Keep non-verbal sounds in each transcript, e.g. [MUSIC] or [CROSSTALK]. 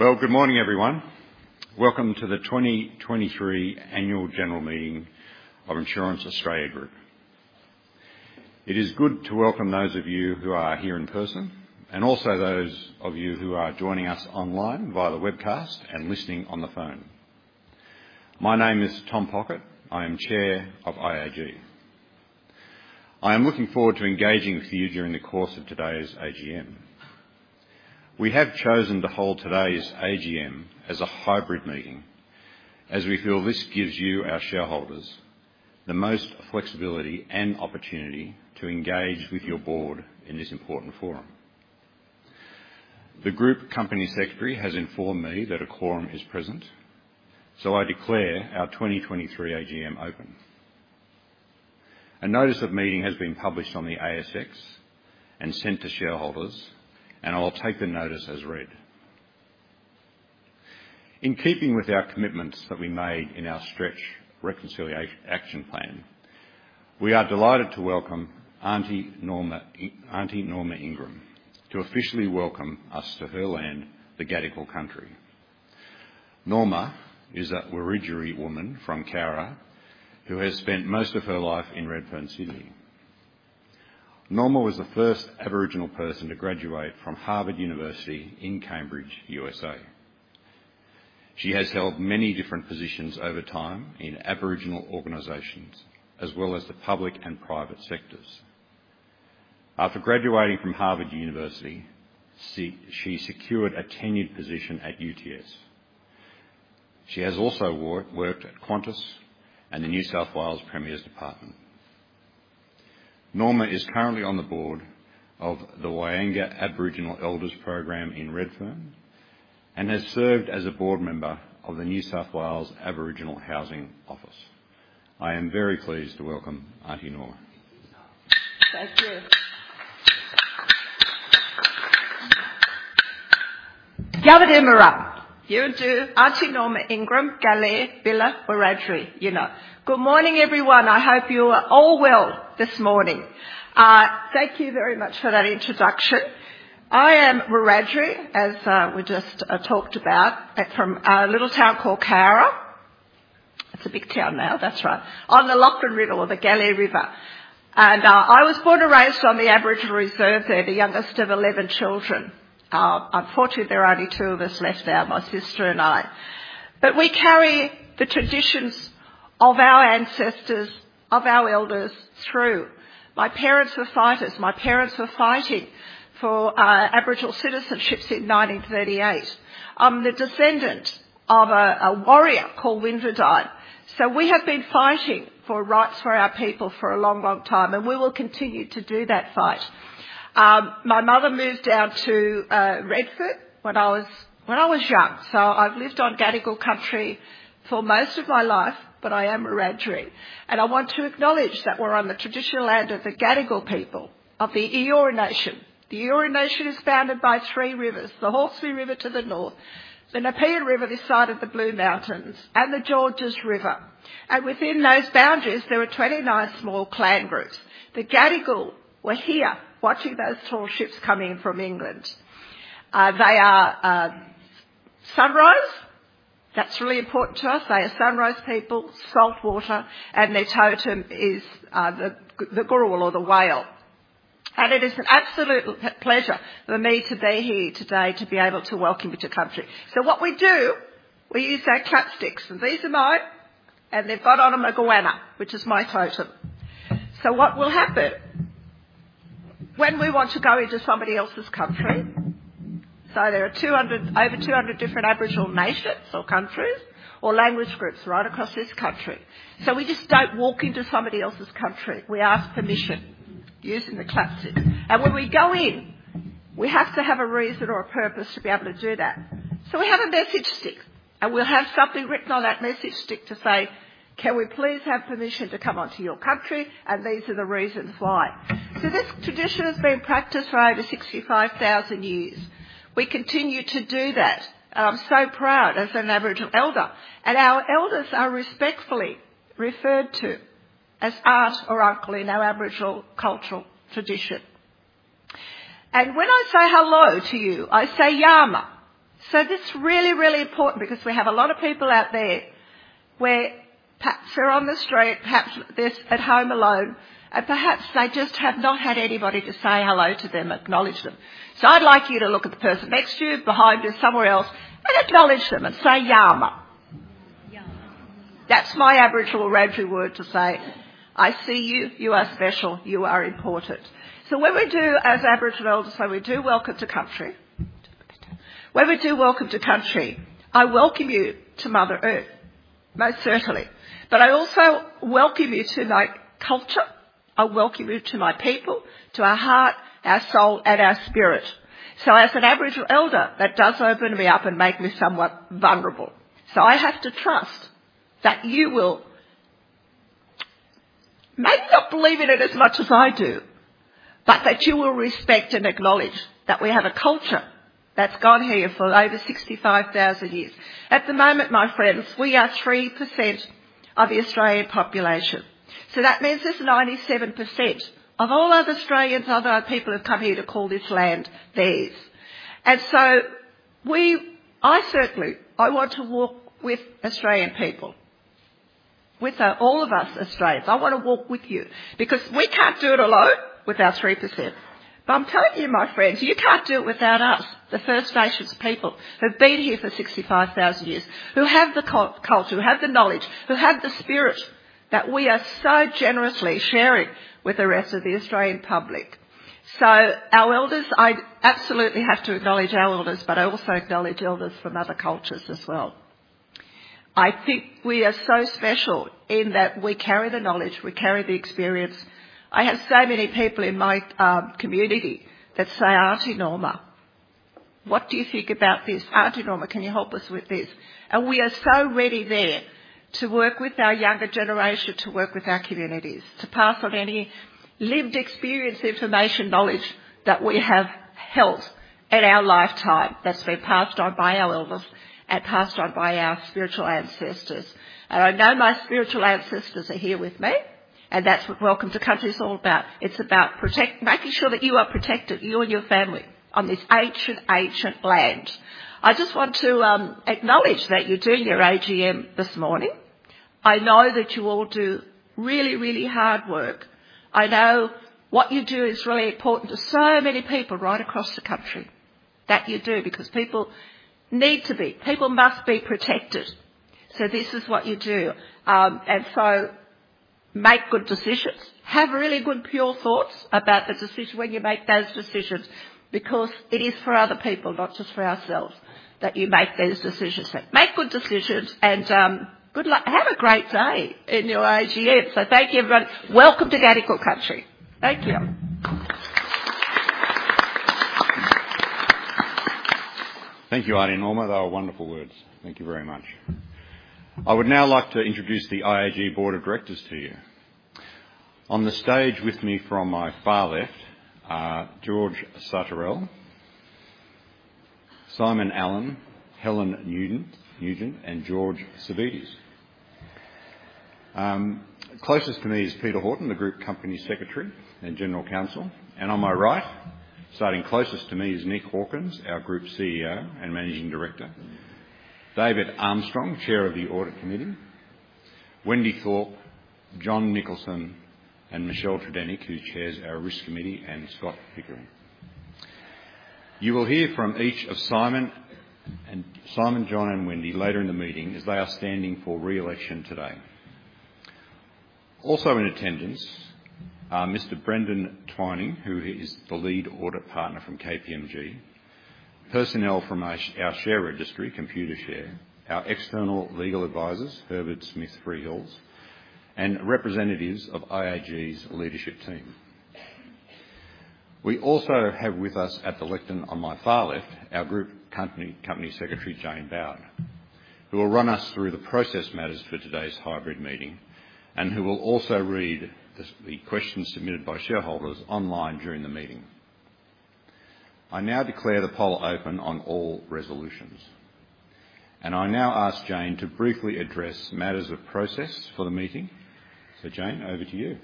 Well, good morning, everyone. Welcome to the 2023 annual general meeting of Insurance Australia Group. It is good to welcome those of you who are here in person, and also those of you who are joining us online via the webcast and listening on the phone. My name is Tom Pockett. I am Chair of IAG. I am looking forward to engaging with you during the course of today's AGM. We have chosen to hold today's AGM as a hybrid meeting, as we feel this gives you, our shareholders, the most flexibility and opportunity to engage with your board in this important forum. The group company secretary has informed me that a quorum is present, so I declare our 2023 AGM open. A notice of meeting has been published on the ASX and sent to shareholders, and I'll take the notice as read. In keeping with our commitments that we made in our Stretch Reconciliation Action Plan, we are delighted to welcome Auntie Norma Ingram, to officially welcome us to her land, the Gadigal Country. Norma is a Wiradjuri woman from Cowra, who has spent most of her life in Redfern. Norma was the first Aboriginal person to graduate from Harvard University in Cambridge, USA. She has held many different positions over time in Aboriginal organizations, as well as the public and private sectors. After graduating from Harvard University, she secured a tenured position at UTS. She has also worked at Qantas and the New South Wales Premier's Department. Norma is currently on the board of the Wyanga Aboriginal Elders Program in Redfern and has served as a board member of the New South Wales Aboriginal Housing Office. I am very pleased to welcome Auntie Norma. Thank you. Gadiedimara! You do. Auntie Norma Ingram, Galari, Bila, Wiradjuri, you know. Good morning, everyone. I hope you are all well this morning. Thank you very much for that introduction. I am Wiradjuri, as we just talked about, from a little town called Cowra. It's a big town now, that's right, on the Lachlan River or the Galari River, and I was born and raised on the Aboriginal reserve there, the youngest of 11 children. Unfortunately, there are only two of us left now my sister and I. But we carry the traditions of our ancestors, of our elders, through. My parents were fighters. My parents were fighting for Aboriginal citizenships in 1938. I'm the descendant of a warrior called Windradyne. So we have been fighting for rights for our people for a long, long time, and we will continue to do that fight. My mother moved down to Redfern when I was young, so I've lived on Gadigal Country for most of my life, but I am Wiradjuri, and I want to acknowledge that we're on the traditional land of the Gadigal people, of the Eora Nation. The Eora Nation is bounded by three rivers: the Hawkesbury River to the north, the Nepean River this side of the Blue Mountains, and the Georges River. And within those boundaries, there are 29 small clan groups. The Gadigal were here watching those tall ships coming from England. They are sunrise. That's really important to us. They are sunrise people, saltwater, and their totem is the gurrul, or the whale. It is an absolute pleasure for me to be here today to be able to welcome you to country. So what we do, we use our clap sticks, and these are mine, and they've got on them a goanna, which is my totem. So what will happen, when we want to go into somebody else's country... So there are 200, over 200 different Aboriginal nations or countries or language groups right across this country. So we just don't walk into somebody else's country. We ask permission using the clap sticks. And when we go in, we have to have a reason or a purpose to be able to do that. So, we have a message stick, and we'll have something written on that message stick to say, "Can we please have permission to come onto your country? And these are the reasons why." So, this tradition has been practiced for over 65,000 years. We continue to do that. I'm so proud as an Aboriginal elder, and our elders are respectfully referred to as aunt or uncle in our Aboriginal cultural tradition. And when I say hello to you, I say, "Yama". So, this is really, really important because we have a lot of people out there where perhaps they're on the street, perhaps they're at home alone, and perhaps they just have not had anybody to say hello to them, acknowledge them. So, I'd like you to look at the person next to you, behind you, somewhere else, and acknowledge them and say, "Yama". Yama. That's my Aboriginal Wiradjuri word to say: I see you, you are special, you are important. So when we do, as Aboriginal elders, so we do welcome to Country. When we do welcome to Country, I welcome you to Mother Earth, most certainly, but I also welcome you to my culture, I welcome you to my people, to our heart, our soul, and our spirit. So as an Aboriginal elder, that does open me up and make me somewhat vulnerable. So, I have to trust that you will... Maybe not believe in it as much as I do, but that you will respect and acknowledge that we have a culture that's gone here for over 65,000 years. At the moment, my friends, we are 3% of the Australian population. So that means there's 97% of all other Australians, other people have come here to call this land theirs. And so, we—I certainly, I want to walk with Australian people, with, all of us Australians. I want to walk with you because we can't do it alone with our 3%. But I'm telling you, my friends, you can't do it without us, the First Nations people, who've been here for 65,000 years, who have the culture, who have the knowledge, who have the spirit that we are so generously sharing with the rest of the Australian public. So, our elders, I absolutely have to acknowledge our elders, but I also acknowledge elders from other cultures as well. I think we are so special in that we carry the knowledge; we carry the experience. I have so many people in my community that say, "Auntie Norma, what do you think about this? Auntie Norma, can you help us with this?" And we are so ready there to work with our younger generation, to work with our communities, to pass on any lived experience, information, knowledge that we have held in our lifetime, that's been passed on by our elders and passed on by our spiritual ancestors. And I know my spiritual ancestors are here with me, and that's what Welcome to Country is all about. It's about making sure that you are protected, you and your family, on this ancient, ancient land. I just want to acknowledge that you're doing your AGM this morning. I know that you all do really, really hard work. I know what you do is really important to so many people right across the country, that you do, because people need to be, people must be protected. So, this is what you do. And so, make good decisions. Have really good, pure thoughts about the decision when you make those decisions, because it is for other people, not just for ourselves, that you make these decisions. So, make good decisions, and good luck. Have a great day in your AGM. So, thank you, everyone. Welcome to Gadigal Country. Thank you. Thank you, Auntie Norma. They were wonderful words. Thank you very much. I would now like to introduce the IAG Board of Directors to you. On the stage with me from my far left are George Sartorel, Simon Allen, Helen Nugent, and George Savvides. Closest to me is Peter Horton, the Group Company Secretary and General Counsel, and on my right, starting closest to me, is Nick Hawkins, our Group CEO and Managing Director; David Armstrong, Chair of the Audit Committee; Wendy Thorpe, John Nicholson, and Michelle Tredenick, who chairs our Risk Committee, and Scott Pickering. You will hear from each of Simon and-- Simon, John, and Wendy later in the meeting, as they are standing for re-election today. Also in attendance are Mr. Brendan Twining, who is the Lead Audit Partner from KPMG, personnel from our share registry, Computershare, our external legal advisors, Herbert Smith Freehills, and representatives of IAG's leadership team. We also have with us at the lectern on my far left, our Group Company Secretary, Jane Bowd, who will run us through the process matters for today's hybrid meeting, and who will also read the questions submitted by shareholders online during the meeting. I now declare the poll open on all resolutions, and I now ask Jane to briefly address matters of process for the meeting. So Jane, over to you.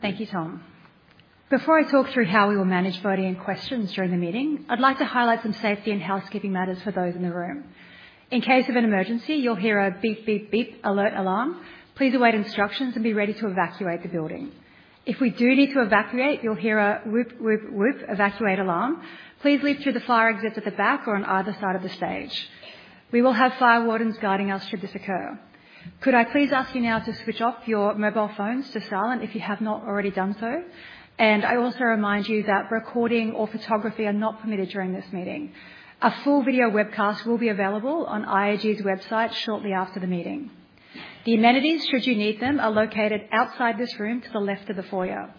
Thank you, Tom. Before I talk through how we will manage voting and questions during the meeting, I'd like to highlight some safety and housekeeping matters for those in the room. In case of an emergency, you'll hear a beep, beep, beep alert alarm. Please await instructions and be ready to evacuate the building. If we do need to evacuate, you'll hear a whoop, whoop, whoop evacuate alarm. Please leave through the fire exit at the back or on either side of the stage. We will have fire wardens guiding us, should this occur. Could I please ask you now to switch off your mobile phones to silent if you have not already done so? I also remind you that recording or photography are not permitted during this meeting. A full video webcast will be available on IAG's website shortly after the meeting. The amenities, should you need them, are located outside this room to the left of the foyer.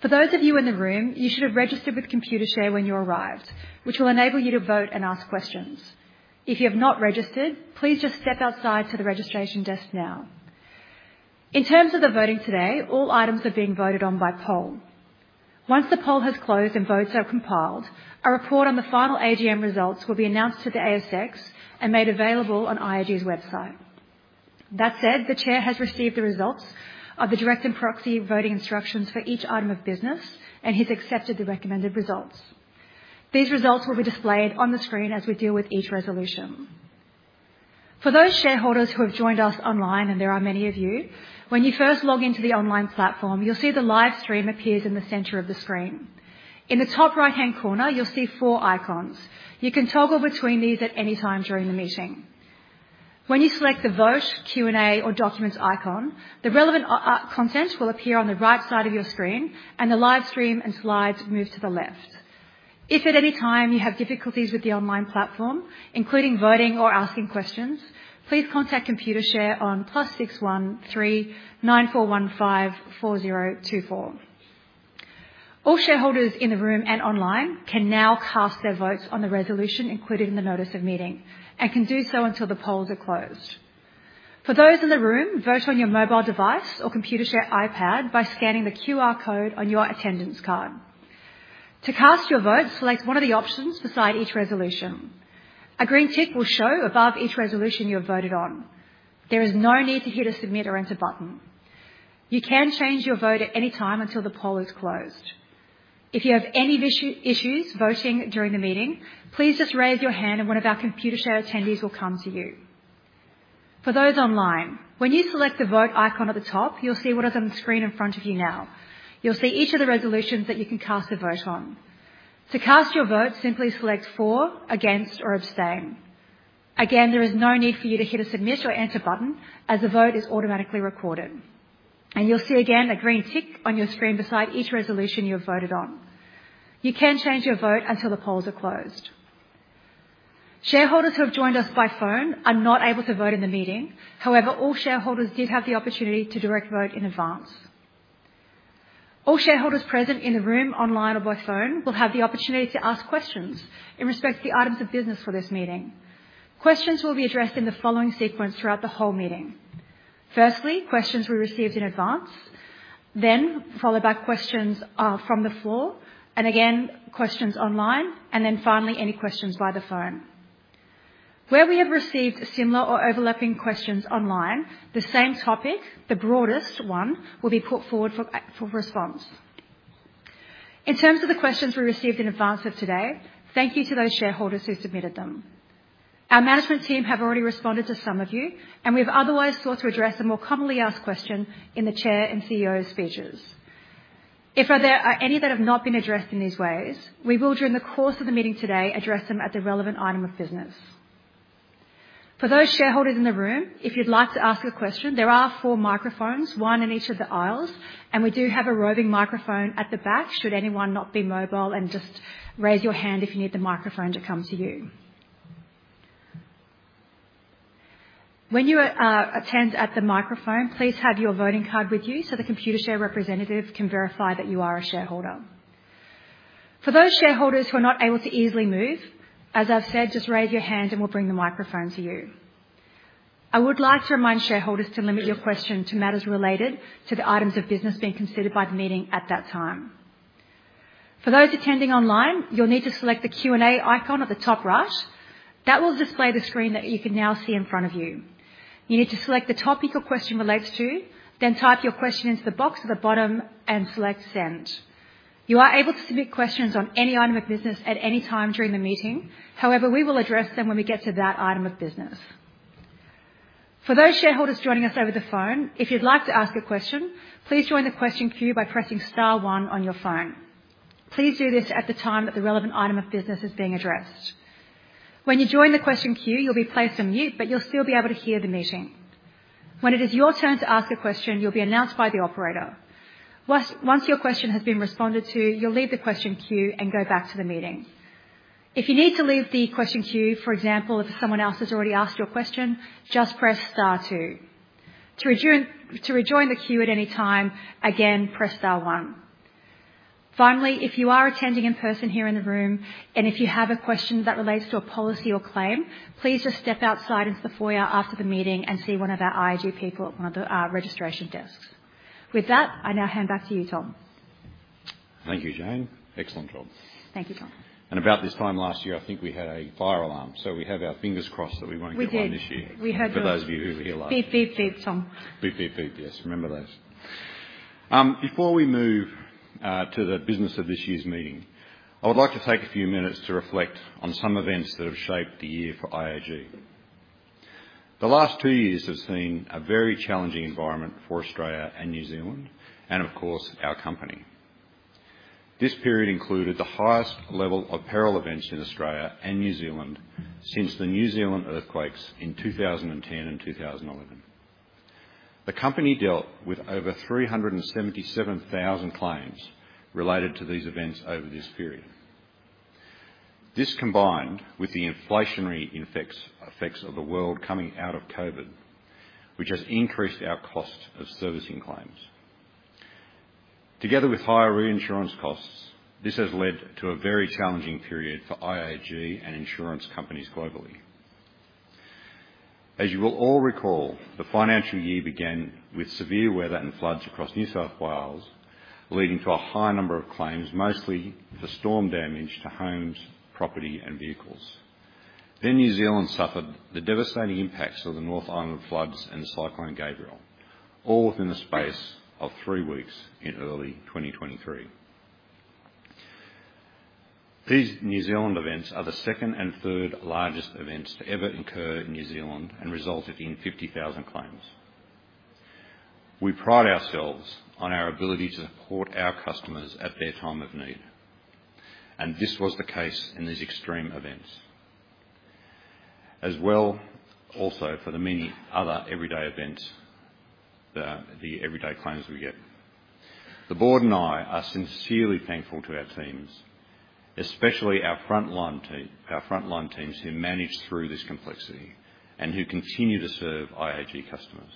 For those of you in the room, you should have registered with Computershare when you arrived, which will enable you to vote and ask questions. If you have not registered, please just step outside to the registration desk now. In terms of the voting today, all items are being voted on by poll. Once the poll has closed and votes are compiled, a report on the final AGM results will be announced to the ASX and made available on IAG's website. That said, the Chair has received the results of the direct and proxy voting instructions for each item of business and he's accepted the recommended results. These results will be displayed on the screen as we deal with each resolution. For those shareholders who have joined us online, and there are many of you, when you first log into the online platform, you'll see the live stream appears in the center of the screen. In the top right-hand corner, you'll see four icons. You can toggle between these at any time during the meeting. When you select the Vote, Q&A, or Documents icon, the relevant content will appear on the right side of your screen, and the live stream and slides move to the left. If at any time you have difficulties with the online platform, including voting or asking questions, please contact Computershare on +61 3 9415 4024. All shareholders in the room and online can now cast their votes on the resolution included in the notice of meeting and can do so until the polls are closed. For those in the room, vote on your mobile device or Computershare iPad by scanning the QR code on your attendance card. To cast your vote, select one of the options beside each resolution. A green tick will show above each resolution you have voted on. There is no need to hit a Submit or Enter button. You can change your vote at any time until the poll is closed. If you have any issue voting during the meeting, please just raise your hand, and one of our Computershare attendees will come to you. For those online, when you select the Vote icon at the top, you'll see what is on the screen in front of you now. You'll see each of the resolutions that you can cast a vote on. To cast your vote, simply select For, Against, or Abstain. Again, there is no need for you to hit a Submit or Enter button, as the vote is automatically recorded. You'll see again, a green tick on your screen beside each resolution you have voted on. You can change your vote until the polls are closed. Shareholders who have joined us by phone are not able to vote in the meeting. However, all shareholders did have the opportunity to direct vote in advance. All shareholders present in the room, online, or by phone will have the opportunity to ask questions in respect to the items of business for this meeting. Questions will be addressed in the following sequence throughout the whole meeting: firstly, questions we received in advance. Then followed by questions from the floor, and again, questions online. And then finally, any questions via the phone. Where we have received similar or overlapping questions online, the same topic, the broadest one, will be put forward for response. In terms of the questions we received in advance of today, thank you to those shareholders who submitted them. Our management team have already responded to some of you, and we've otherwise sought to address the more commonly asked question in the chair and CEO's speeches. If there are any that have not been addressed in these ways, we will, during the course of the meeting today, address them at the relevant item of business. For those shareholders in the room, if you'd like to ask a question, there are four microphones, one in each of the aisles, and we do have a roving microphone at the back should anyone not be mobile, and just raise your hand if you need the microphone to come to you. When you attend at the microphone, please have your voting card with you so the Computershare representative can verify that you are a shareholder. For those shareholders who are not able to easily move, as I've said, just raise your hand and we'll bring the microphone to you. I would like to remind shareholders to limit your question to matters related to the items of business being considered by the meeting at that time. For those attending online, you'll need to select the Q&A icon at the top right. That will display the screen that you can now see in front of you. You need to select the topic your question relates to, then type your question into the box at the bottom and select Send. You are able to submit questions on any item of business at any time during the meeting. However, we will address them when we get to that item of business. For those shareholders joining us over the phone, if you'd like to ask a question, please join the question queue by pressing star one on your phone. Please do this at the time that the relevant item of business is being addressed. When you join the question queue, you'll be placed on mute, but you'll still be able to hear the meeting. When it is your turn to ask a question, you'll be announced by the operator. Once your question has been responded to, you'll leave the question queue and go back to the meeting. If you need to leave the question queue, for example, if someone else has already asked your question, just press star two. To rejoin the queue at any time, again, press star one. Finally, if you are attending in person here in the room, and if you have a question that relates to a policy or claim, please just step outside into the foyer after the meeting and see one of our IAG people at one of the registration desks. With that, I now hand back to you, Tom. Thank you, Jane. Excellent job. Thank you, Tom. About this time last year, I think we had a fire alarm, so we have our fingers crossed that we won't get one this year... [CROSSTALK] We did. We heard the... For those of you who were here last Beep, beep, beep, Tom. Beep, beep, beep. Yes, remember those. Before we move to the business of this year's meeting, I would like to take a few minutes to reflect on some events that have shaped the year for IAG. The last two years have seen a very challenging environment for Australia and New Zealand and, of course, our company. This period included the highest level of peril events in Australia and New Zealand since the New Zealand earthquakes in 2010 and 2011. The company dealt with over 377,000 claims related to these events over this period. This combined with the inflationary effects, effects of the world coming out of COVID, which has increased our costs of servicing claims. Together with higher reinsurance costs, this has led to a very challenging period for IAG and insurance companies globally. As you will all recall, the financial year began with severe weather and floods across New South Wales, leading to a high number of claims, mostly for storm damage to homes, property, and vehicles. Then New Zealand suffered the devastating impacts of the North Island floods and Cyclone Gabrielle, all within the space of three weeks in early 2023. These New Zealand events are the second and third largest events to ever occur in New Zealand and resulted in 50,000 claims. We pride ourselves on our ability to support our customers at their time of need, and this was the case in these extreme events, as well also for the many other everyday events, the everyday claims we get. The board and I are sincerely thankful to our teams, especially our frontline team, our frontline teams who managed through this complexity and who continue to serve IAG customers.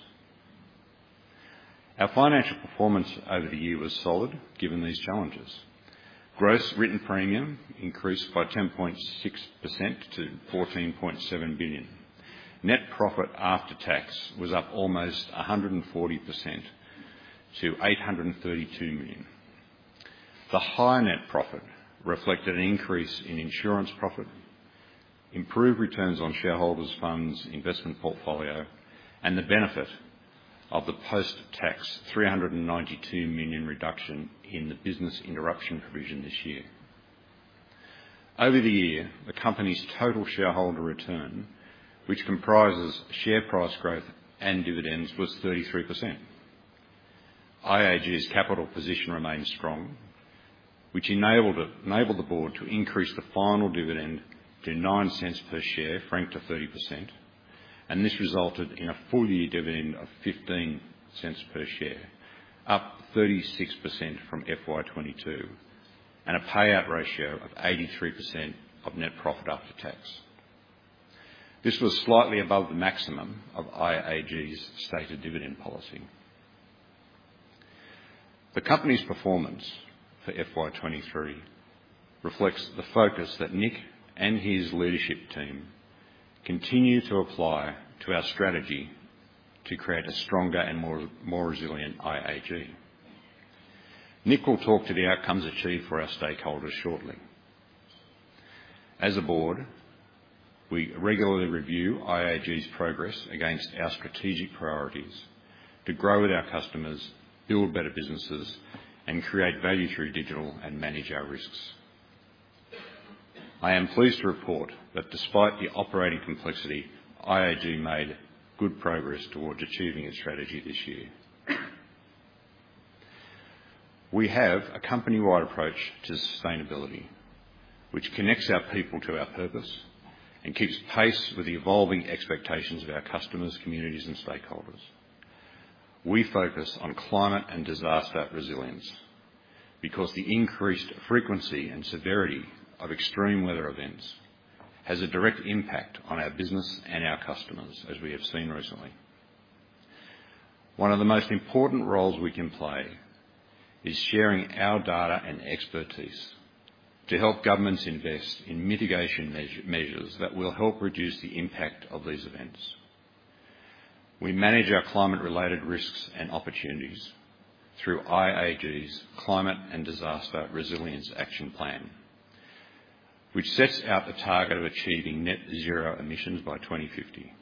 Our financial performance over the year was solid, given these challenges. Gross written premium increased by 10.6% to 14.7 billion. Net profit after tax was up almost 140% to 832 million. The high net profit reflected an increase in insurance profit, improved returns on shareholders' funds, investment portfolio, and the benefit of the post-tax 392 million reduction in the business interruption provision this year. Over the year, the company's total shareholder return, which comprises share price growth and dividends, was 33%. IAG's capital position remains strong, which enabled the board to increase the final dividend to 0.09 per share, franked to 30%, and this resulted in a full-year dividend of 0.15 per share, up 36% from FY 2022, and a payout ratio of 83% of net profit after tax. This was slightly above the maximum of IAG's stated dividend policy. The company's performance for FY 2023 reflects the focus that Nick and his leadership team continue to apply to our strategy to create a stronger and more resilient IAG. Nick will talk to the outcomes achieved for our stakeholders shortly. As a board, we regularly review IAG's progress against our strategic priorities to grow with our customers, build better businesses, and create value through digital and manage our risks. I am pleased to report that despite the operating complexity, IAG made good progress towards achieving its strategy this year. We have a company-wide approach to sustainability, which connects our people to our purpose and keeps pace with the evolving expectations of our customers, communities, and stakeholders. We focus on climate and disaster resilience because the increased frequency and severity of extreme weather events has a direct impact on our business and our customers, as we have seen recently. One of the most important roles we can play is sharing our data and expertise to help governments invest in mitigation measures that will help reduce the impact of these events. We manage our climate-related risks and opportunities through IAG's Climate and Disaster Resilience Action Plan, which sets out a target of achieving net zero emissions by 2050.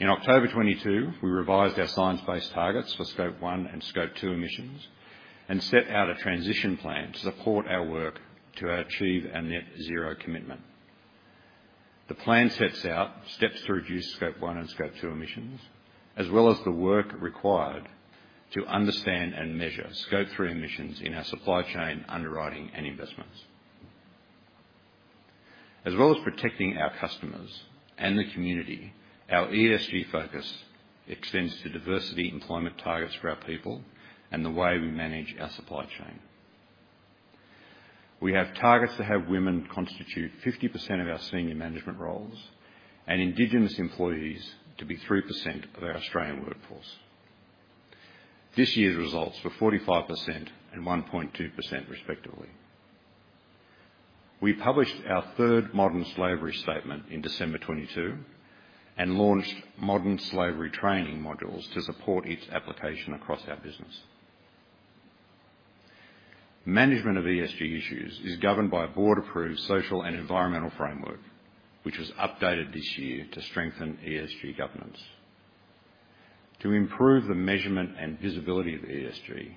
In October 2022, we revised our science-based targets for Scope one and Scope two emissions and set out a transition plan to support our work to achieve our net zero commitment. The plan sets out steps to reduce Scope one and Scope two emissions, as well as the work required to understand and measure Scope three emissions in our supply chain, underwriting, and investments. As well as protecting our customers and the community, our ESG focus extends to diversity employment targets for our people and the way we manage our supply chain. We have targets to have women constitute 50% of our senior management roles and Indigenous employees to be 3% of our Australian workforce. This year's results were 45% and 1.2%, respectively. We published our third modern slavery statement in December 2022 and launched modern slavery training modules to support its application across our business. Management of ESG issues is governed by a board-approved social and environmental framework, which was updated this year to strengthen ESG governance. To improve the measurement and visibility of ESG,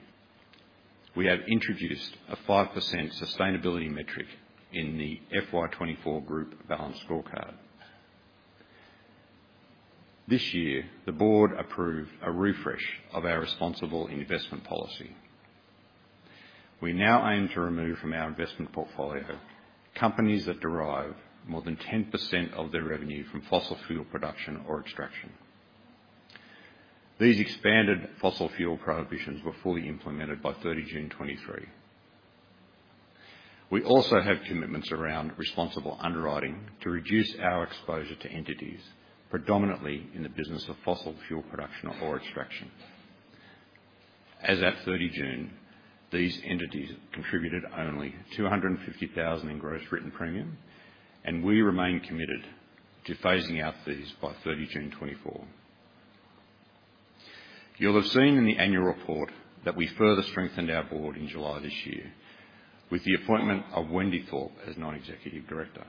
we have introduced a 5% sustainability metric in the FY 2024 group balanced scorecard. This year, the board approved a refresh of our responsible investment policy. We now aim to remove from our investment portfolio companies that derive more than 10% of their revenue from fossil fuel production or extraction. These expanded fossil fuel prohibitions were fully implemented by 30 June 2023. We also have commitments around responsible underwriting to reduce our exposure to entities, predominantly in the business of fossil fuel production or extraction. As at 30 June, these entities contributed only 250,000 in gross written premium, and we remain committed to phasing out these by 30 June 2024. You'll have seen in the annual report that we further strengthened our Board in July this year with the appointment of Wendy Thorpe as Non-Executive Director.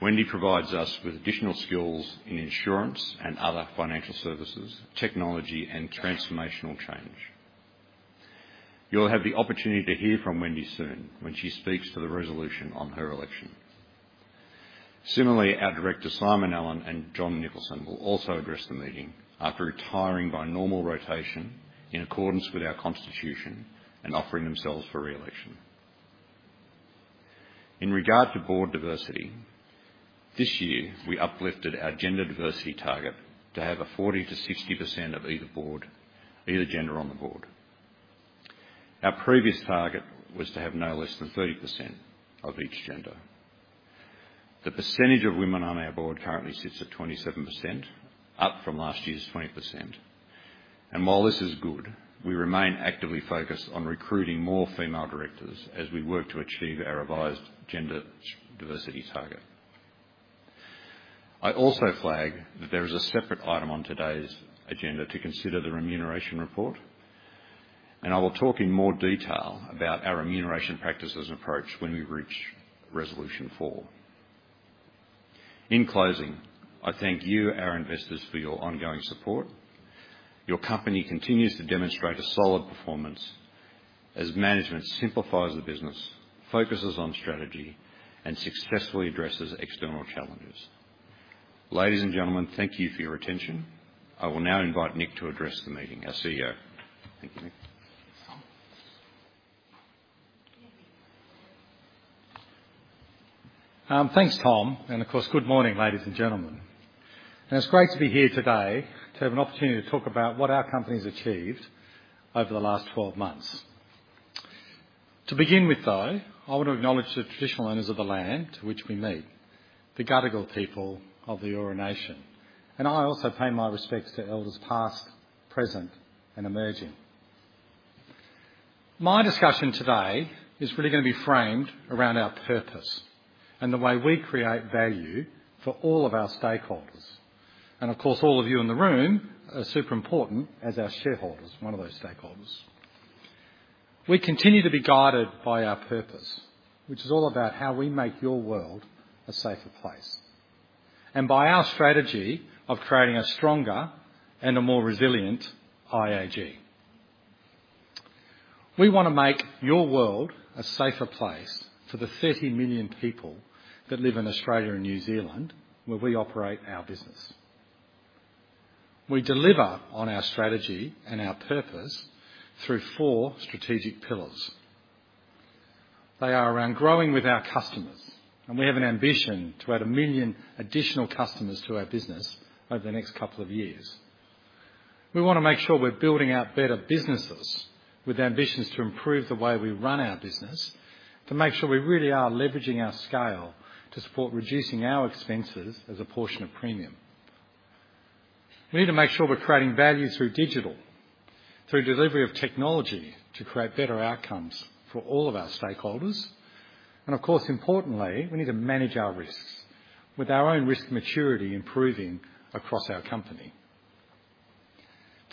Wendy provides us with additional skills in insurance and other financial services, technology, and transformational change. You'll have the opportunity to hear from Wendy soon when she speaks to the resolution on her election. Similarly, our Director, Simon Allen and John Nicholson, will also address the meeting after retiring by normal rotation in accordance with our constitution and offering themselves for re-election. In regard to Board diversity, this year we uplifted our gender diversity target to have a 40% to 60% of either gender on the Board. Our previous target was to have no less than 30% of each gender. The percentage of women on our board currently sits at 27%, up from last year's 20%. While this is good, we remain actively focused on recruiting more female directors as we work to achieve our revised gender diversity target… I also flag that there is a separate item on today's agenda to consider the remuneration report, and I will talk in more detail about our remuneration practices approach when we reach resolution four. In closing, I thank you, our investors, for your ongoing support. Your company continues to demonstrate a solid performance as management simplifies the business, focuses on strategy, and successfully addresses external challenges. Ladies and gentlemen, thank you for your attention. I will now invite Nick to address the meeting, our CEO. Thank you, Nick. Thanks, Tom, and of course, good morning, ladies and gentlemen. It's great to be here today to have an opportunity to talk about what our company's achieved over the last 12 months. To begin with, I want to acknowledge the traditional owners of the land to which we meet, the Gadigal people of the Eora Nation, and I also pay my respects to elders past, present, and emerging. My discussion today is really gonna be framed around our purpose and the way we create value for all of our stakeholders, and of course, all of you in the room are super important as our shareholders, one of those stakeholders. We continue to be guided by our purpose, which is all about how we make your world a safer place, and by our strategy of creating a stronger and a more resilient IAG. We want to make your world a safer place for the 30 million people that live in Australia and New Zealand, where we operate our business. We deliver on our strategy and our purpose through four strategic pillars. They are around growing with our customers, and we have an ambition to add 1 million additional customers to our business over the next couple of years. We want to make sure we're building out better businesses with ambitions to improve the way we run our business, to make sure we really are leveraging our scale to support reducing our expenses as a portion of premium. We need to make sure we're creating value through digital, through delivery of technology, to create better outcomes for all of our stakeholders. And of course, importantly, we need to manage our risks with our own risk maturity improving across our company.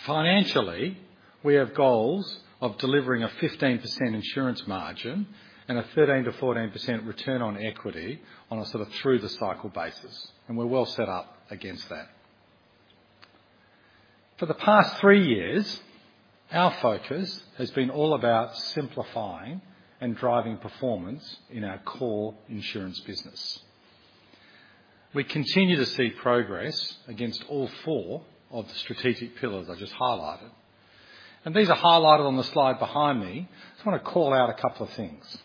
Financially, we have goals of delivering a 15% insurance margin and a 13% to 14% return on equity on a sort of through the cycle basis, and we're well set up against that. For the past three years, our focus has been all about simplifying and driving performance in our core insurance business. We continue to see progress against all four of the strategic pillars I just highlighted, and these are highlighted on the slide behind me. I just want to call out a couple of things.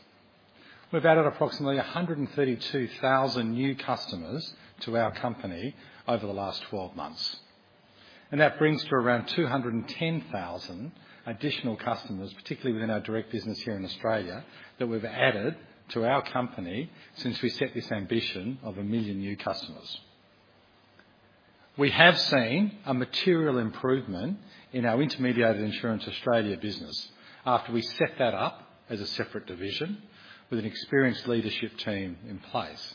We've added approximately 132,000 new customers to our company over the last 12 months, and that brings to around 210,000 additional customers, particularly within our direct business here in Australia, that we've added to our company since we set this ambition of 1 million new customers. We have seen a material improvement in our Intermediated Insurance Australia business after we set that up as a separate division with an experienced leadership team in place.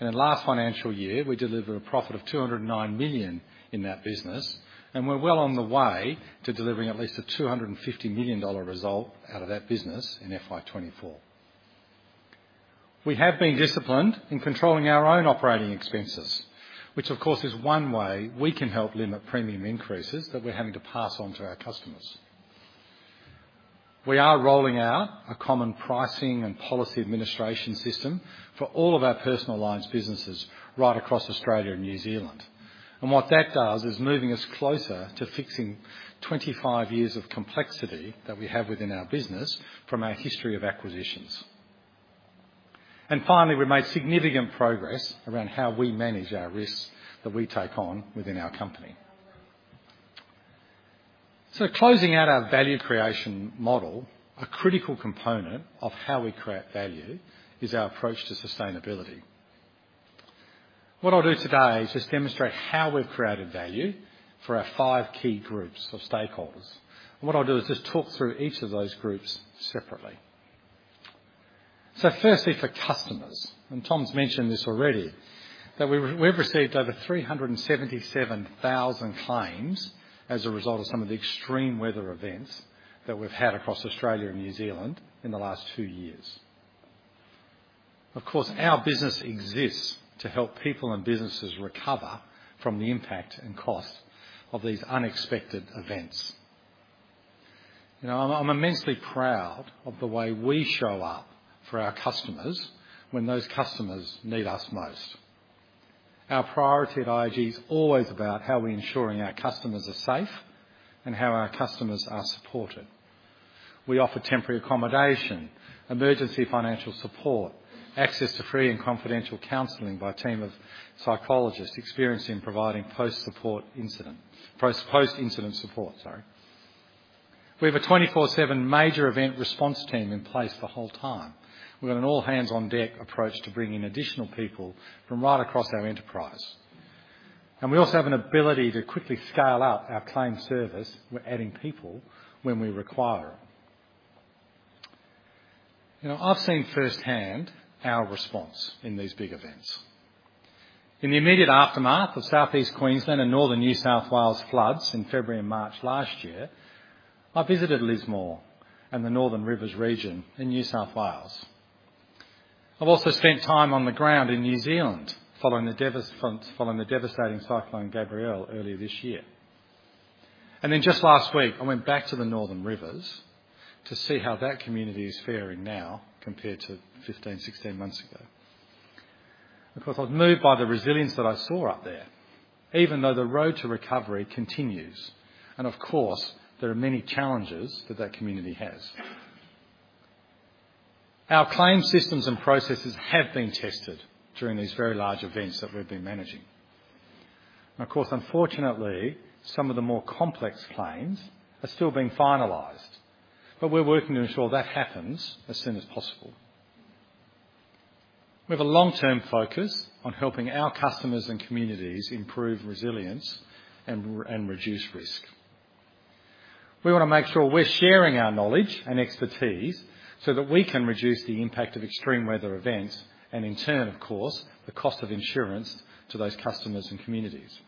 In the last financial year, we delivered a profit of 209 million in that business, and we're well on the way to delivering at least an 250 million dollar result out of that business in FY 2024. We have been disciplined in controlling our own operating expenses, which of course, is one way we can help limit premium increases that we're having to pass on to our customers. We are rolling out a common pricing and policy administration system for all of our personal lines businesses right across Australia and New Zealand. What that does is moving us closer to fixing 25 years of complexity that we have within our business from our history of acquisitions. And finally, we've made significant progress around how we manage our risks that we take on within our company. So closing out our value creation model, a critical component of how we create value is our approach to sustainability. What I'll do today is just demonstrate how we've created value for our five key groups of stakeholders. And what I'll do is just talk through each of those groups separately. So firstly, for customers, and Tom's mentioned this already, that we've, we've received over 377,000 claims as a result of some of the extreme weather events that we've had across Australia and New Zealand in the last two years. Of course, our business exists to help people and businesses recover from the impact and cost of these unexpected events. You know, I'm immensely proud of the way we show up for our customers when those customers need us most. Our priority at IAG is always about how we're ensuring our customers are safe and how our customers are supported. We offer temporary accommodation, emergency financial support, access to free and confidential counseling by a team of psychologists experienced in providing post-support incident... post-incident support, sorry. We have a 24/7 major event response team in place the whole time. We've got an all hands on deck approach to bring in additional people from right across our enterprise. We also have an ability to quickly scale up our claim service. We're adding people when we require it.... You know, I've seen firsthand our response in these big events. In the immediate aftermath of Southeast Queensland and Northern New South Wales floods in February and March last year, I visited Lismore and the Northern Rivers region in New South Wales. I've also spent time on the ground in New Zealand following the devastating Cyclone Gabrielle earlier this year. And then just last week, I went back to the Northern Rivers to see how that community is faring now compared to 15, 16 months ago. Of course, I was moved by the resilience that I saw up there, even though the road to recovery continues, and of course, there are many challenges that that community has. Our claims systems and processes have been tested during these very large events that we've been managing, and of course, unfortunately, some of the more complex claims are still being finalized, but we're working to ensure that happens as soon as possible. We have a long-term focus on helping our customers and communities improve resilience and reduce risk. We want to make sure we're sharing our knowledge and expertise so that we can reduce the impact of extreme weather events, and in turn, of course, the cost of insurance to those customers and communities.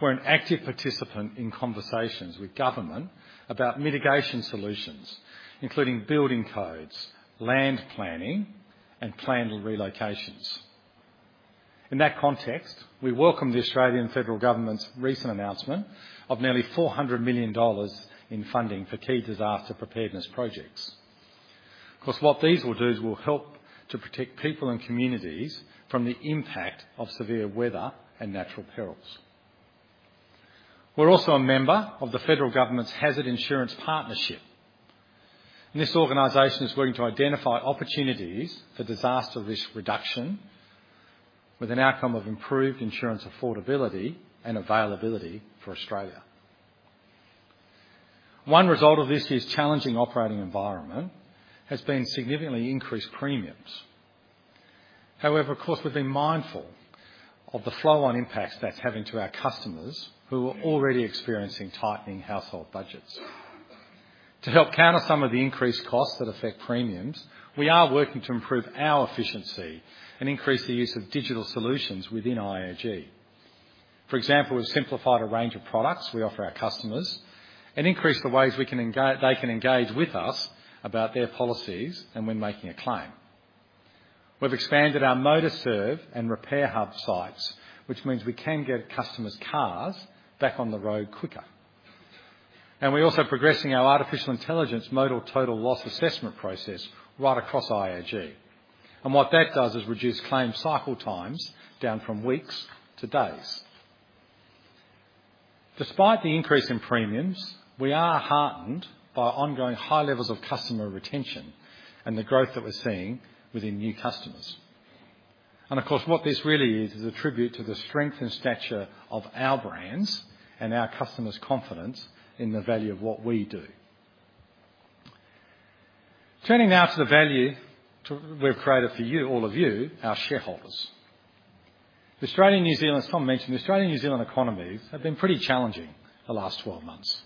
We're an active participant in conversations with government about mitigation solutions, including building codes, land planning, and planned relocations. In that context, we welcome the Australian Federal Government's recent announcement of nearly 400 million dollars in funding for key disaster preparedness projects. Of course, what these will do is help to protect people and communities from the impact of severe weather and natural perils. We're also a member of the Federal Government's Hazard Insurance Partnership, and this organization is working to identify opportunities for disaster risk reduction with an outcome of improved insurance affordability and availability for Australia. One result of this year's challenging operating environment has been significantly increased premiums. However, of course, we've been mindful of the flow-on impact that's having to our customers, who are already experiencing tightening household budgets. To help counter some of the increased costs that affect premiums, we are working to improve our efficiency and increase the use of digital solutions within IAG. For example, we've simplified a range of products we offer our customers and increased the ways we can engage—they can engage with us about their policies and when making a claim. We've expanded our MotorServe and Repairhub sites, which means we can get customers' cars back on the road quicker. We're also progressing our artificial intelligence motor total loss assessment process right across IAG, and what that does is reduce claim cycle times down from weeks to days. Despite the increase in premiums, we are heartened by ongoing high levels of customer retention and the growth that we're seeing within new customers. Of course, what this really is, is a tribute to the strength and stature of our brands and our customers' confidence in the value of what we do. Turning now to the value to—we've created for you, all of you, our shareholders. The Australian, New Zealand, as Tom mentioned, the Australian and New Zealand economies have been pretty challenging the last 12 months.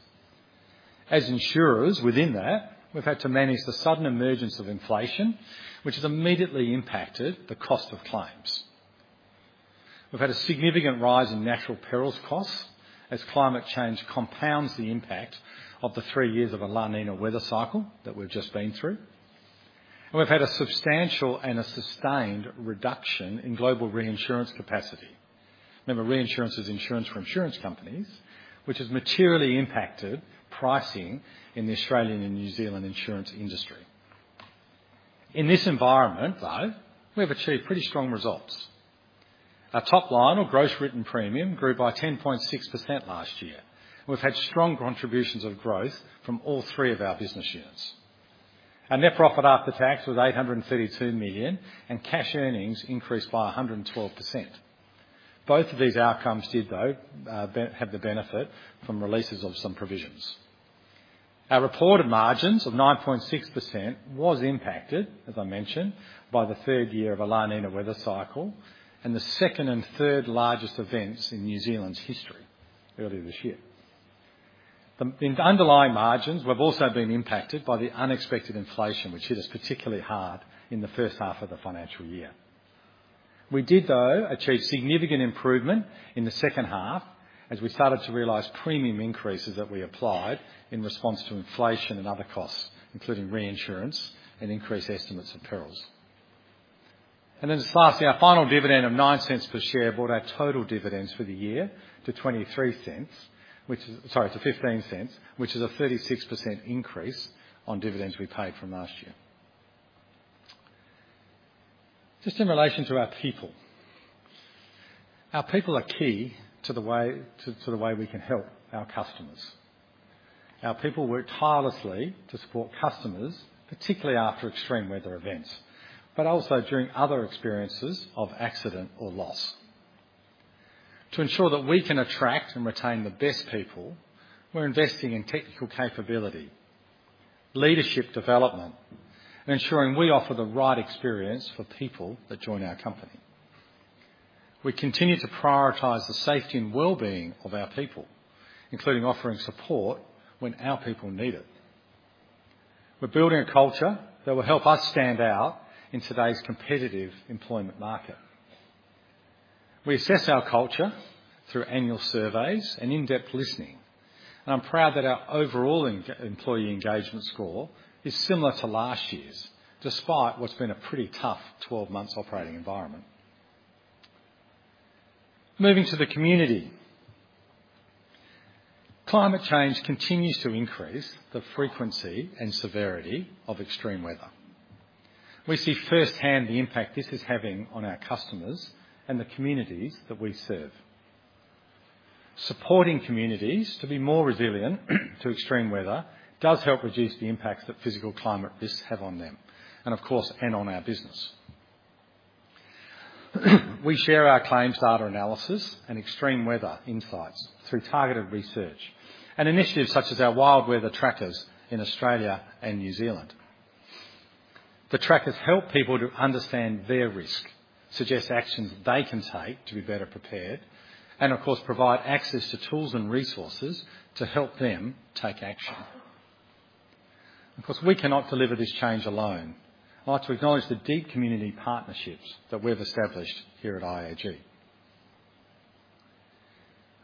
As insurers within that, we've had to manage the sudden emergence of inflation, which has immediately impacted the cost of claims. We've had a significant rise in natural perils costs as climate change compounds the impact of the three years of a La Niña weather cycle that we've just been through, and we've had a substantial and a sustained reduction in global reinsurance capacity. Remember, reinsurance is insurance for insurance companies, which has materially impacted pricing in the Australian and New Zealand insurance industry. In this environment, though, we've achieved pretty strong results. Our top line, or gross written premium, grew by 10.6% last year. We've had strong contributions of growth from all three of our business units. Our net profit after tax was 832 million, and cash earnings increased by 112%. Both of these outcomes did, though, have the benefit from releases of some provisions. Our reported margins of 9.6% was impacted, as I mentioned, by the third year of a La Niña weather cycle and the second and third largest events in New Zealand's history earlier this year. In the underlying margins, we've also been impacted by the unexpected inflation, which hit us particularly hard in the first half of the financial year. We did, though, achieve significant improvement in the second half as we started to realize premium increases that we applied in response to inflation and other costs, including reinsurance and increased estimates of perils. Then just lastly, our final dividend of 0.09 per share brought our total dividends for the year to 0.23, which is... Sorry, to 0.15, which is a 36% increase on dividends we paid from last year. Just in relation to our people. Our people are key to the way we can help our customers. Our people work tirelessly to support customers, particularly after extreme weather events, but also during other experiences of accident or loss. To ensure that we can attract and retain the best people, we're investing in technical capability, leadership development, and ensuring we offer the right experience for people that join our company. We continue to prioritize the safety and well-being of our people, including offering support when our people need it. We're building a culture that will help us stand out in today's competitive employment market. We assess our culture through annual surveys and in-depth listening, and I'm proud that our overall employee engagement score is similar to last year's, despite what's been a pretty tough 12 months operating environment. Moving to the community. Climate change continues to increase the frequency and severity of extreme weather. We see firsthand the impact this is having on our customers and the communities that we serve. Supporting communities to be more resilient to extreme weather does help reduce the impacts that physical climate risks have on them, and of course, and on our business. We share our claims, data analysis, and extreme weather insights through targeted research and initiatives such as our Wild Weather Trackers in Australia and New Zealand. The trackers help people to understand their risk, suggest actions they can take to be better prepared, and of course, provide access to tools and resources to help them take action. Of course, we cannot deliver this change alone. I'd like to acknowledge the deep community partnerships that we've established here at IAG.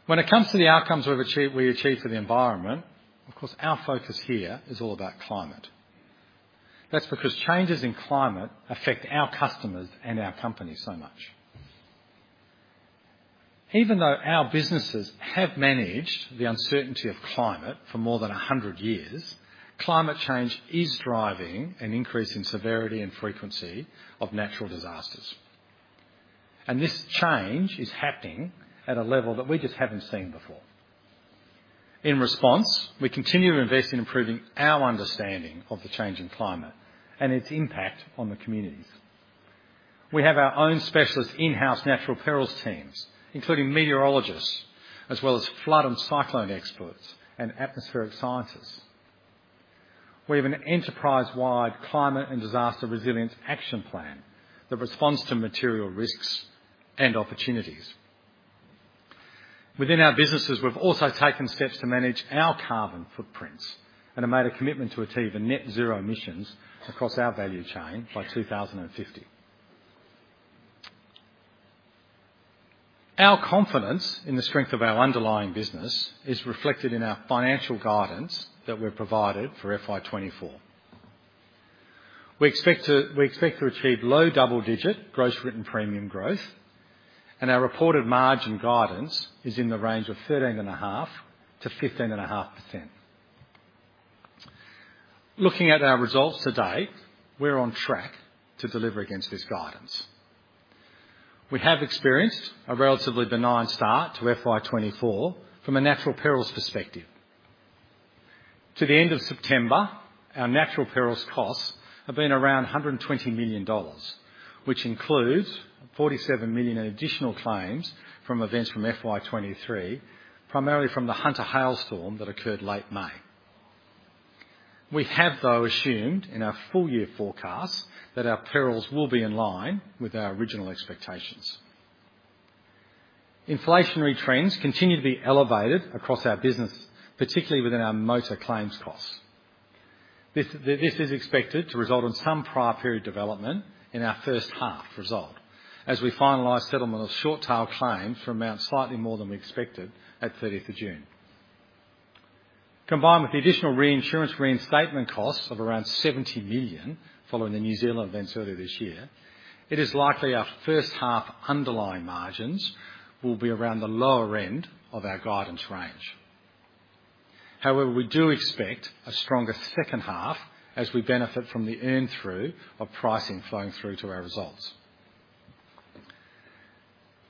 When it comes to the outcomes we've achieved, we achieved for the environment, of course, our focus here is all about climate. That's because changes in climate affect our customers and our company so much. Even though our businesses have managed the uncertainty of climate for more than 100 years, climate change is driving an increase in severity and frequency of natural disasters, and this change is happening at a level that we just haven't seen before. In response, we continue to invest in improving our understanding of the changing climate and its impact on the communities. We have our own specialist in-house natural perils teams, including meteorologists, as well as flood and cyclone experts and atmospheric scientists. We have an enterprise-wide climate and disaster resilience action plan that responds to material risks and opportunities. Within our businesses, we've also taken steps to manage our carbon footprints and have made a commitment to achieve net zero emissions across our value chain by 2050. Our confidence in the strength of our underlying business is reflected in our financial guidance that we've provided for FY24. We expect to, we expect to achieve low double-digit gross written premium growth, and our reported margin guidance is in the range of 13.5% to 15.5%. Looking at our results to date, we're on track to deliver against this guidance. We have experienced a relatively benign start to FY 2024 from a natural perils perspective. To the end of September, our natural perils costs have been around 120 million dollars, which includes 47 million in additional claims from events from FY 2023, primarily from the Hunter hailstorm that occurred late May. We have, though, assumed in our full year forecast, that our perils will be in line with our original expectations. Inflationary trends continue to be elevated across our business, particularly within our motor claims costs. This is expected to result in some prior period development in our first half result as we finalize settlement of short tail claims for amounts slightly more than we expected at 30th of June. Combined with the additional reinsurance reinstatement costs of around 70 million following the New Zealand events earlier this year, it is likely our first half underlying margins will be around the lower end of our guidance range. However, we do expect a stronger second half as we benefit from the earn through of pricing flowing through to our results.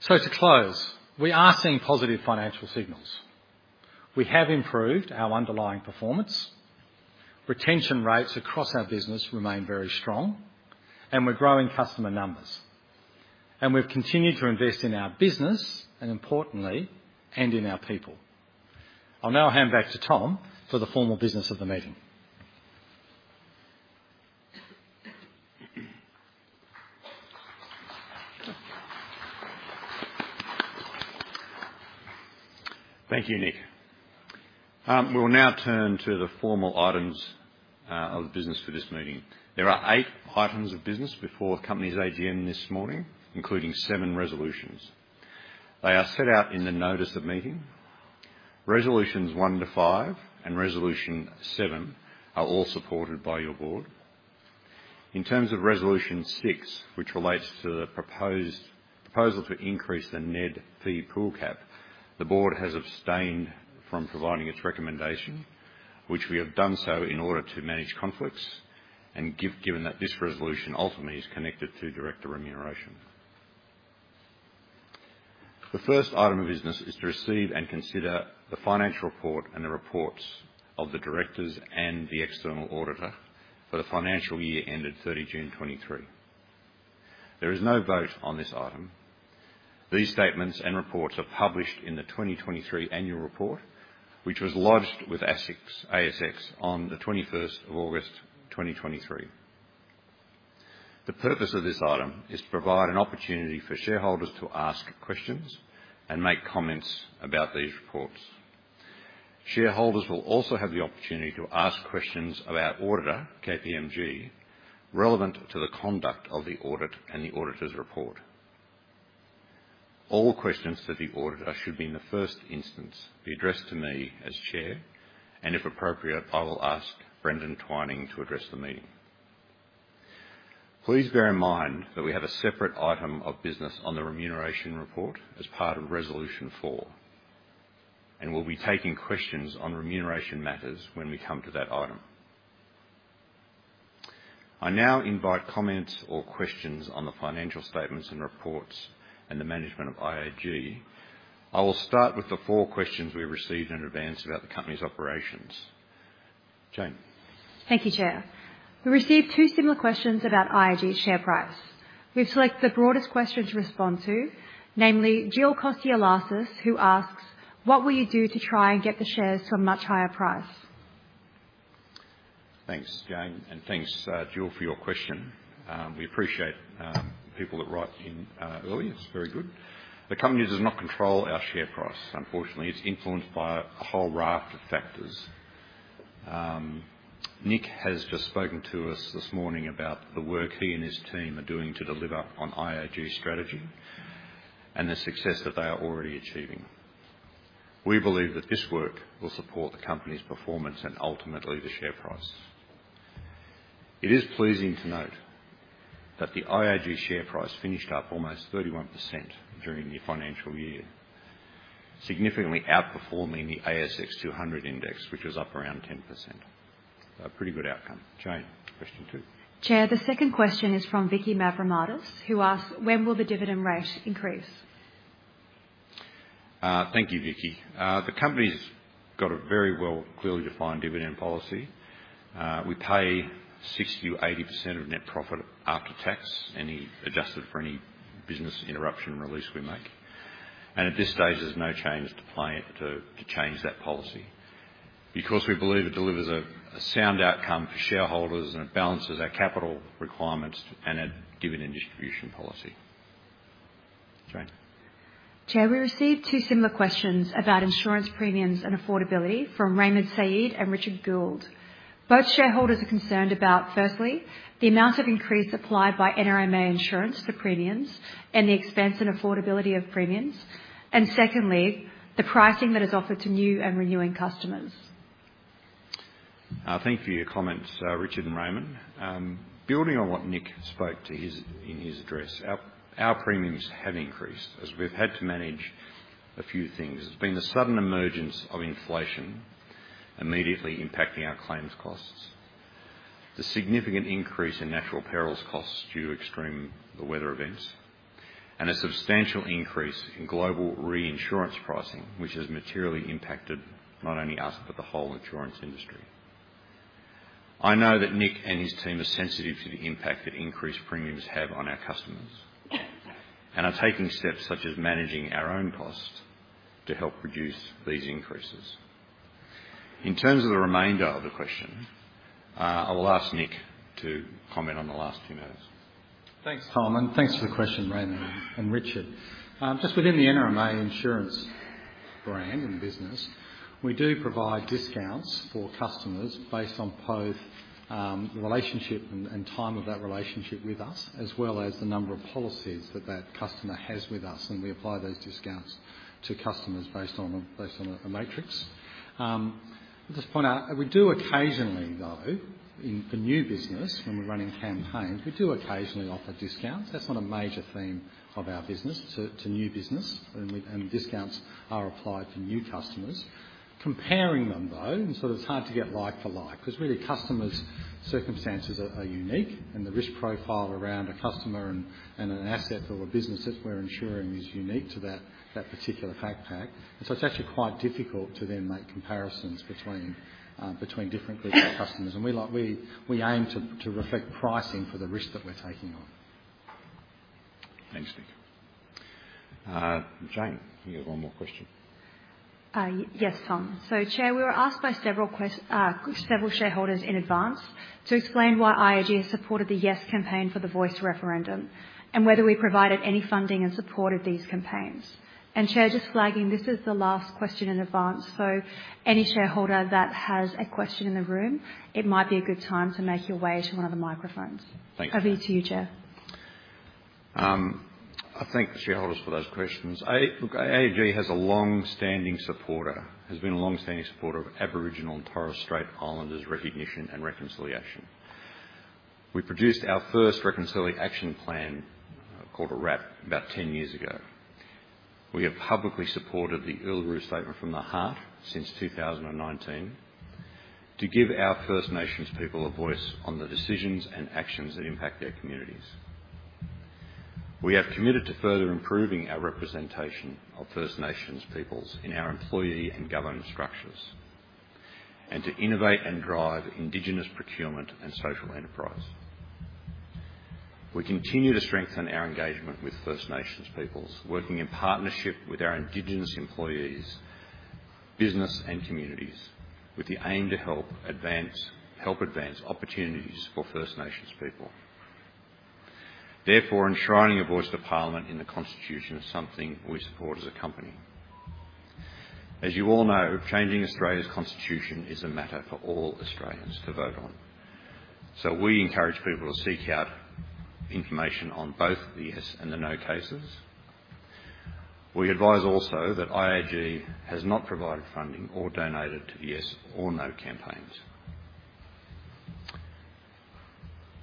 So, to close, we are seeing positive financial signals. We have improved our underlying performance. Retention rates across our business remain very strong, and we're growing customer numbers, and we've continued to invest in our business and importantly, and in our people. I'll now hand back to Tom for the formal business of the meeting. Thank you, Nick. We will now turn to the formal items of business for this meeting. There are eight items of business before the company's AGM this morning, including seven resolutions. They are set out in the notice of meeting. Resolutions one to five and resolution seven are all supported by your board. In terms of resolution six, which relates to the proposal to increase the NED fee pool cap, the board has abstained from providing its recommendation, which we have done so in order to manage conflicts and given that this resolution ultimately is connected to director remuneration. The first item of business is to receive and consider the financial report and the reports of the directors and the external auditor for the financial year ended 30 June 2023. There is no vote on this item. These statements and reports are published in the 2023 annual report, which was lodged with ASX on the 21 August 2023. The purpose of this item is to provide an opportunity for shareholders to ask questions and make comments about these reports. Shareholders will also have the opportunity to ask questions of our auditor, KPMG, relevant to the conduct of the audit and the auditor's report. All questions to the auditor should be, in the first instance, addressed to me as Chair, and if appropriate, I will ask Brendan Twining to address the meeting. Please bear in mind that we have a separate item of business on the remuneration report as part of resolution four, and we'll be taking questions on remuneration matters when we come to that item. I now invite comments or questions on the financial statements and reports and the management of IAG. I will start with the four questions we received in advance about the company's operations. Jane? Thank you, Chair. We received two similar questions about IAG's share price. We've selected the broadest question to respond to, namely Jill Kostioulas, who asks: "What will you do to try and get the shares to a much higher price? Thanks, Jane, and thanks, Jill, for your question. We appreciate people that write in early. It's very good. The company does not control our share price, unfortunately. It's influenced by a whole raft of factors. Nick has just spoken to us this morning about the work he and his team are doing to deliver on IAG's strategy and the success that they are already achieving. We believe that this work will support the company's performance and ultimately the share price. It is pleasing to note that the IAG share price finished up almost 31% during the financial year, significantly outperforming the ASX 200 index, which was up around 10%. A pretty good outcome. Jane, question two. Chair, the second question is from Vicky Mavromatis, who asks: "When will the dividend rate increase? Thank you, Vicky. The company's got a very well, clearly defined dividend policy. We pay 60% to 80% of net profit after tax, any, adjusted for any business interruption release we make. And at this stage, there's no change to plan to change that policy. Because we believe it delivers a sound outcome for shareholders, and it balances our capital requirements and our dividend distribution policy. Jane? Chair, we received two similar questions about insurance premiums and affordability from Raymond Saeed and Richard Gould. Both shareholders are concerned about, firstly, the amount of increase applied by NRMA Insurance to premiums and the expense and affordability of premiums, and secondly, the pricing that is offered to new and renewing customers. Thank you for your comments, Richard and Raymond. Building on what Nick spoke to his, in his address, our, our premiums have increased as we've had to manage a few things. There's been the sudden emergence of inflation immediately impacting our claims costs, the significant increase in natural perils costs due to extreme weather events, and a substantial increase in global reinsurance pricing, which has materially impacted not only us, but the whole insurance industry. I know that Nick and his team are sensitive to the impact that increased premiums have on our customers and are taking steps such as managing our own costs to help reduce these increases. In terms of the remainder of the question, I will ask Nick to comment on the last few minutes. Thanks, Tom, and thanks for the question, Raymond and Richard. Just within the NRMA Insurance brand and business, we do provide discounts for customers based on both relationship and time of that relationship with us, as well as the number of policies that customer has with us, and we apply those discounts to customers based on a matrix. I'll just point out, we do occasionally, though, in the new business, when we're running campaigns, we do occasionally offer discounts. That's not a major theme of our business to new business, and discounts are applied to new customers. Comparing them, though, and so it's hard to get like for like, because really, customers' circumstances are unique, and the risk profile around a customer and an asset or a business that we're insuring is unique to that particular pack pack. And so it's actually quite difficult to then make comparisons between between different groups of customers. And we like... We aim to reflect pricing for the risk that we're taking on. Thanks, Nick. Jane, you have one more question. Yes, Tom. So, Chair, we were asked by several shareholders in advance to explain why IAG has supported the Yes campaign for the Voice referendum and whether we provided any funding in support of these campaigns. And Chair, just flagging, this is the last question in advance, so any shareholder that has a question in the room, it might be a good time to make your way to one of the microphones. Thank you. Over to you, Chair. I thank the shareholders for those questions. Look, IAG has a long-standing supporter, has been a long-standing supporter of Aboriginal and Torres Strait Islanders recognition and reconciliation. We produced our first Reconciliation Action Plan, called a RAP, about 10 years ago. We have publicly supported the Uluru Statement from the Heart since 2019 to give our First Nations people a voice on the decisions and actions that impact their communities. We have committed to further improving our representation of First Nations peoples in our employee and governance structures, and to innovate and drive Indigenous procurement and social enterprise. We continue to strengthen our engagement with First Nations peoples, working in partnership with our Indigenous employees, business, and communities, with the aim to help advance, help advance opportunities for First Nations people. Therefore, enshrining a Voice to Parliament in the constitution is something we support as a company. As you all know, changing Australia's constitution is a matter for all Australians to vote on. So, we encourage people to seek out information on both the yes and the no cases. We advise also that IAG has not provided funding or donated to the yes or no campaigns.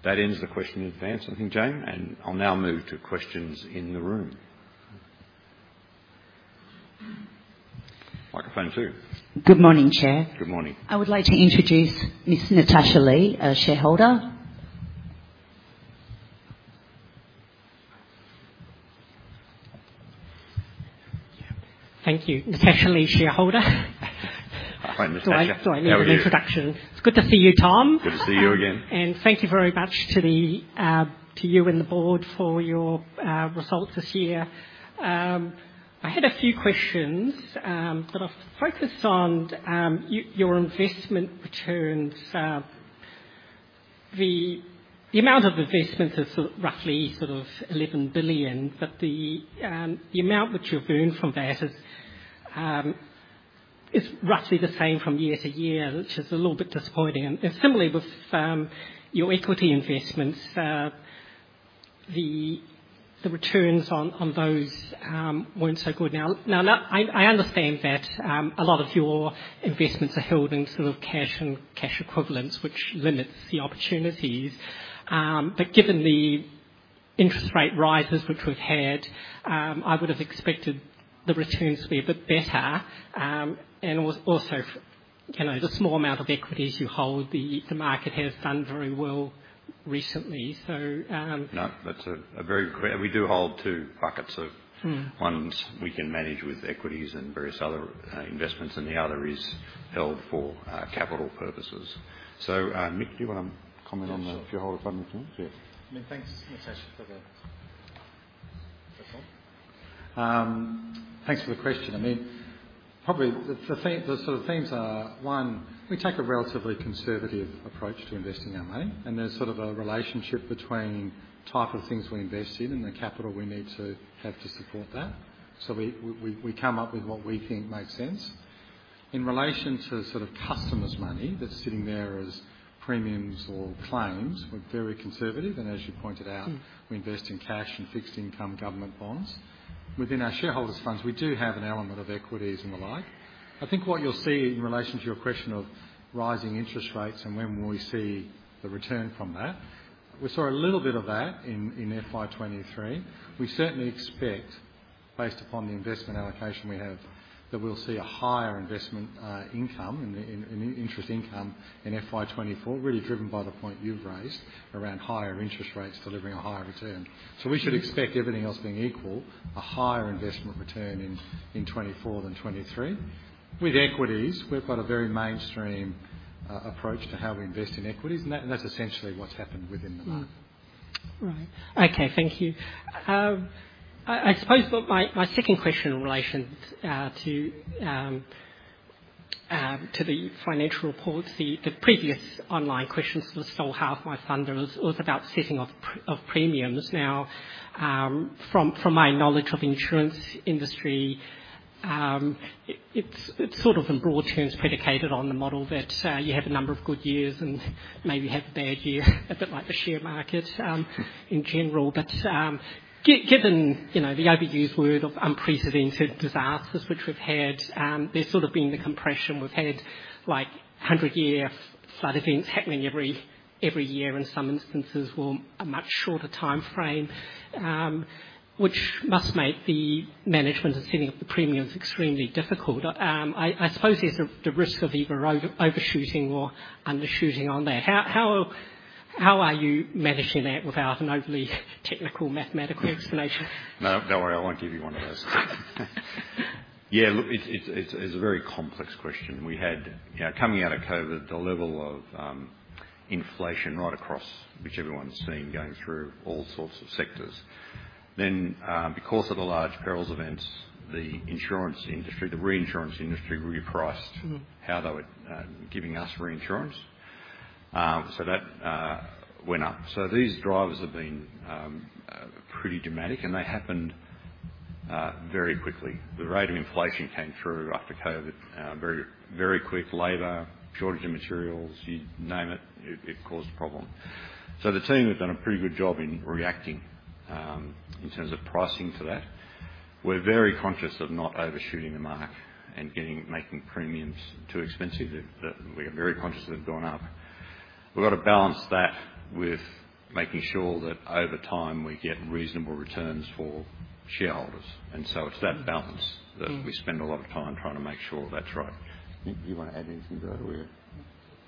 That ends the question in advance, I think, Jane, and I'll now move to questions in the room. Microphone two. Good morning, Chair. Good morning. I would like to introduce Miss Natasha Lee, a shareholder. Thank you. Natasha Lee, shareholder. Hi, Natasha. How are you? I need an introduction. It's good to see you, Tom. Good to see you again. Thank you very much to you and the board for your results this year. I had a few questions that are focused on your investment returns. The amount of investment is sort of roughly sort of 11 billion, but the amount which you've earned from that is roughly the same from year to year, which is a little bit disappointing. And similarly with your equity investments, the returns on those weren't so good. Now, I understand that a lot of your investments are held in sort of cash and cash equivalents, which limits the opportunities. But given the interest rate rises, which we've had, I would have expected the returns to be a bit better. And also, you know, the small amount of equities you hold, the market has done very well recently. So... No, that's a very great... We do hold two buckets. Mm. So, one, we can manage with equities and various other, investments, and the other is held for, capital purposes. So, Nick, do you want to comment on the... Yeah, sure. Shareholder funding thing? Yeah. I mean, thanks, Natasha, for the... Thanks for the question. I mean, probably the thing, the sort of things are, one, we take a relatively conservative approach to investing our money, and there's sort of a relationship between type of things we invest in and the capital we need to have to support that. So, we come up with what we think makes sense. In relation to sort of customers' money that's sitting there as premiums or claims, we're very conservative, and as you pointed out... Mm. We invest in cash and fixed income government bonds. Within our shareholders' funds, we do have an element of equities and the like. I think what you'll see in relation to your question of rising interest rates and when will we see the return from that, we saw a little bit of that in FY 2023. We certainly expect, based upon the investment allocation we have, that we'll see a higher investment income and interest income in FY 2024, really driven by the point you've raised around higher interest rates delivering a higher return. We should expect everything else being equal, a higher investment return in 2024 than 2023. With equities, we've got a very mainstream approach to how we invest in equities, and that's essentially what's happened within the market. Right. Okay, thank you. I suppose what my second question in relation to the financial report, the previous online questions sort of stole half my thunder, was about setting of premiums. Now, from my knowledge of insurance industry, it's sort of in broad terms, predicated on the model that you have a number of good years and maybe have a bad year, a bit like the share market, in general. But, given, you know, the overused word of unprecedented disasters, which we've had, there's sort of been the compression. We've had, like, 100-year flood events happening every year in some instances, or a much shorter timeframe, which must make the management and setting up the premiums extremely difficult. I suppose there's the risk of either overshooting or undershooting on there. How are you managing that without an overly technical mathematical explanation? No, don't worry, I won't give you one of those. Yeah, look, it's a very complex question. We had, you know, coming out of COVID, the level of inflation right across, which everyone's seen, going through all sorts of sectors. Then, because of the large perils events, the insurance industry, the reinsurance industry, repriced... Mm-hmm How they were giving us reinsurance. So that went up. So these drivers have been pretty dramatic, and they happened very quickly. The rate of inflation came through after COVID very, very quick. Labor, shortage of materials, you name it, it caused a problem. So the team has done a pretty good job in reacting in terms of pricing for that. We're very conscious of not overshooting the mark and getting, making premiums too expensive. The, the we are very conscious they've gone up. We've got to balance that with making sure that over time, we get reasonable returns for shareholders, and so it's that balance. Mm. That we spend a lot of time trying to make sure that's right. Do you want to add anything to that or we're-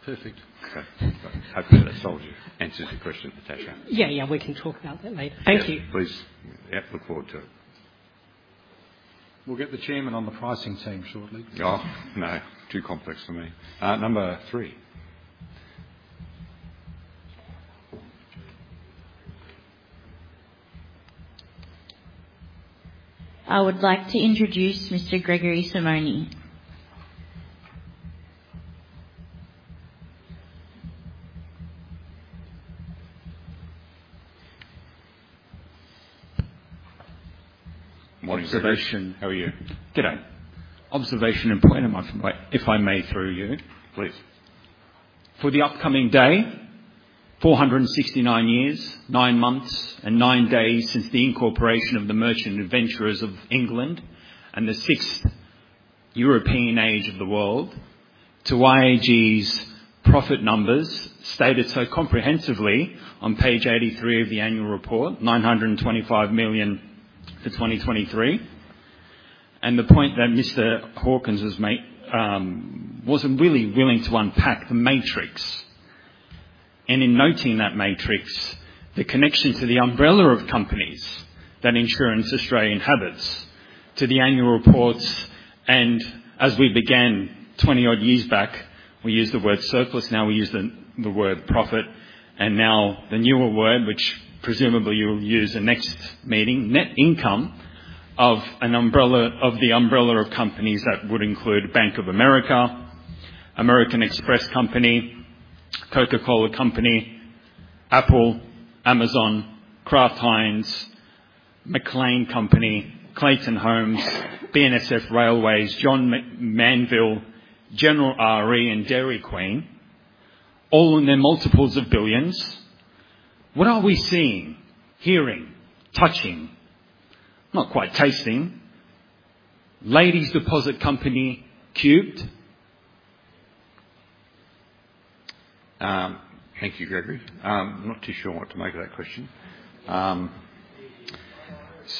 Perfect. Okay, cool. Hopefully, that answers your question, Natasha. Yeah, yeah, we can talk about that later. Thank you. Please. Yeah, look forward to it. We'll get the chairman on the pricing team shortly. Oh, no, too complex for me. Number three. I would like to introduce Mr. Gregory Simoni. Morning, Gregory. Observation... How are you? Good day. Observation and point of mind, if I may, through you. Please. For the upcoming day, 469 years, nine months, and nine days since the incorporation of the Merchant Adventurers of England and the sixth European age of the world, to IAG's profit numbers, stated so comprehensively on page 83 of the annual report, 925 million for 2023. The point that Mr. Hawkins has made wasn't really willing to unpack the matrix. In noting that matrix, the connection to the umbrella of companies that Insurance Australia inhabits, to the annual reports, and as we began 20-odd years back, we used the word surplus, now we use the, the word profit. And now the newer word, which presumably you'll use the next meeting, net income of an umbrella, of the umbrella of companies that would include Bank of America, American Express Company, Coca-Cola Company, Apple, Amazon, Kraft Heinz, McLane Company, Clayton Homes, BNSF Railway, Johns Manville, General Re, and Dairy Queen, all in their multiples of billions. What are we seeing, hearing, touching? Not quite tasting. Ladies' Deposit Company cubed? Thank you, Gregory. I'm not too sure what to make of that question.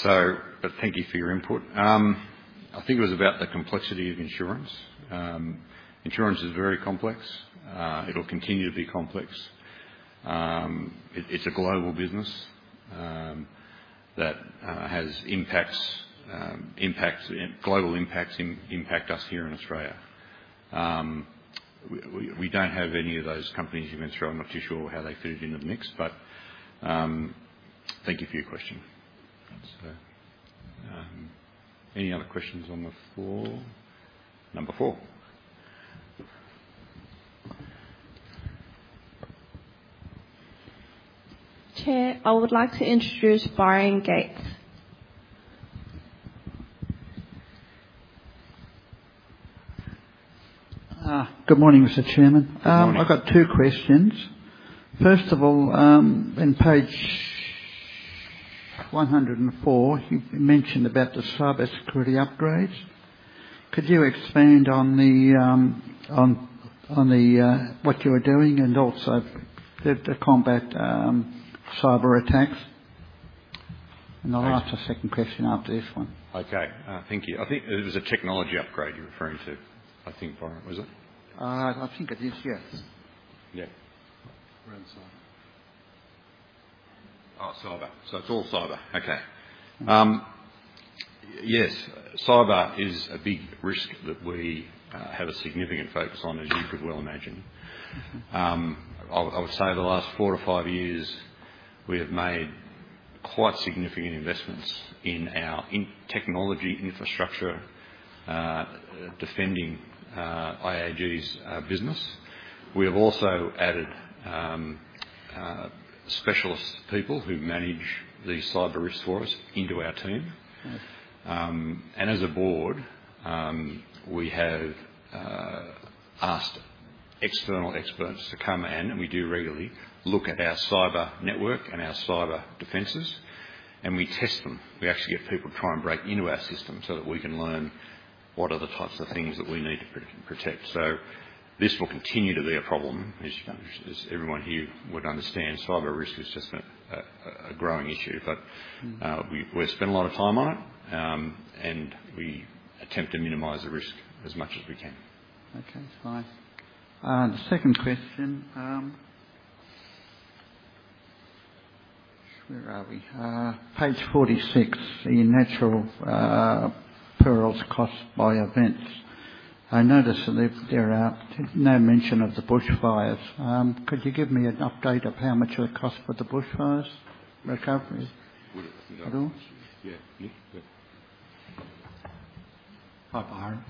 So but thank you for your input. I think it was about the complexity of insurance. Insurance is very complex. It'll continue to be complex. It's a global business that has impacts, impacts, global impacts, impact us here in Australia. We, we, we don't have any of those companies you mentioned, so I'm not too sure how they fit into the mix. But, thank you for your question. So, any other questions on the floor? Number four. Chair, I would like to introduce Byron Gates. Ah, good morning, Mr. Chairman. Good morning. I've got two questions. First of all, on page 104, you mentioned about the cybersecurity upgrades. Could you expand on what you are doing and also the combat, cyberattacks? Thanks... I'll ask a second question after this one. Okay, thank you. I think it was a technology upgrade you're referring to, I think, Byron, was it? I think it is, yes. Yeah. Around cyber. Oh, cyber. So it's all cyber. Okay. Yes, cyber is a big risk that we have a significant focus on, as you could well imagine. I would say the last four to five years, we have made quite significant investments in our technology infrastructure defending IAG's business. We have also added specialist people who manage the cyber risks for us into our team. Right. As a board, we have asked external experts to come in, and we do regularly look at our cyber network and our cyber defenses, and we test them. We actually get people to try and break into our system so that we can learn what are the types of things that we need to protect. So this will continue to be a problem, as everyone here would understand. Cyber risk is just a growing issue, but... Mm-hmm. We spent a lot of time on it, and we attempt to minimize the risk as much as we can. Okay, fine. The second question... Where are we? Page 46, the natural perils cost by events. I noticed that there are no mention of the bushfires. Could you give me an update of how much it cost for the bushfires, recoveries at all? Yeah. Nick, yeah. Hi,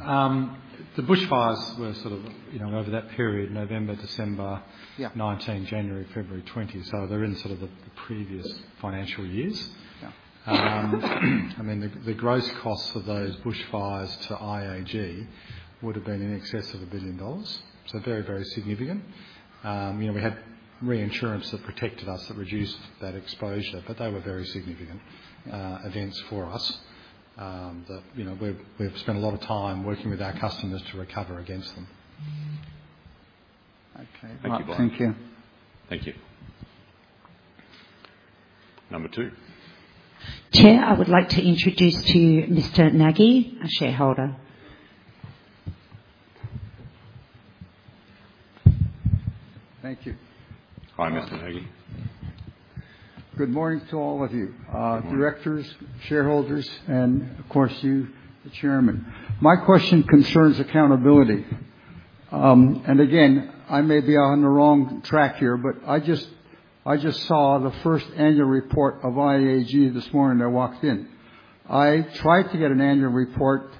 Byron. The bushfires were sort of, you know, over that period, November, December... Yeah 2019, January, February 2020. So, they're in sort of the, the previous financial years. Yeah. I mean, the gross costs of those bushfires to IAG would have been in excess of 1 billion dollars. So very, very significant. You know, we had reinsurance that protected us, that reduced that exposure, but they were very significant events for us. You know, we've spent a lot of time working with our customers to recover against them. Okay. Thank you, Byron. Thank you. Thank you. Number two. Chair, I would like to introduce to you Mr. Nagy, a shareholder. Thank you. Hi, Mr. Nagy. Good morning to all of you. Good morning. Directors, shareholders, and of course, you, the chairman. My question concerns accountability. And again, I may be on the wrong track here, but I just, I just saw the first annual report of IAG this morning when I walked in. I tried to get an annual report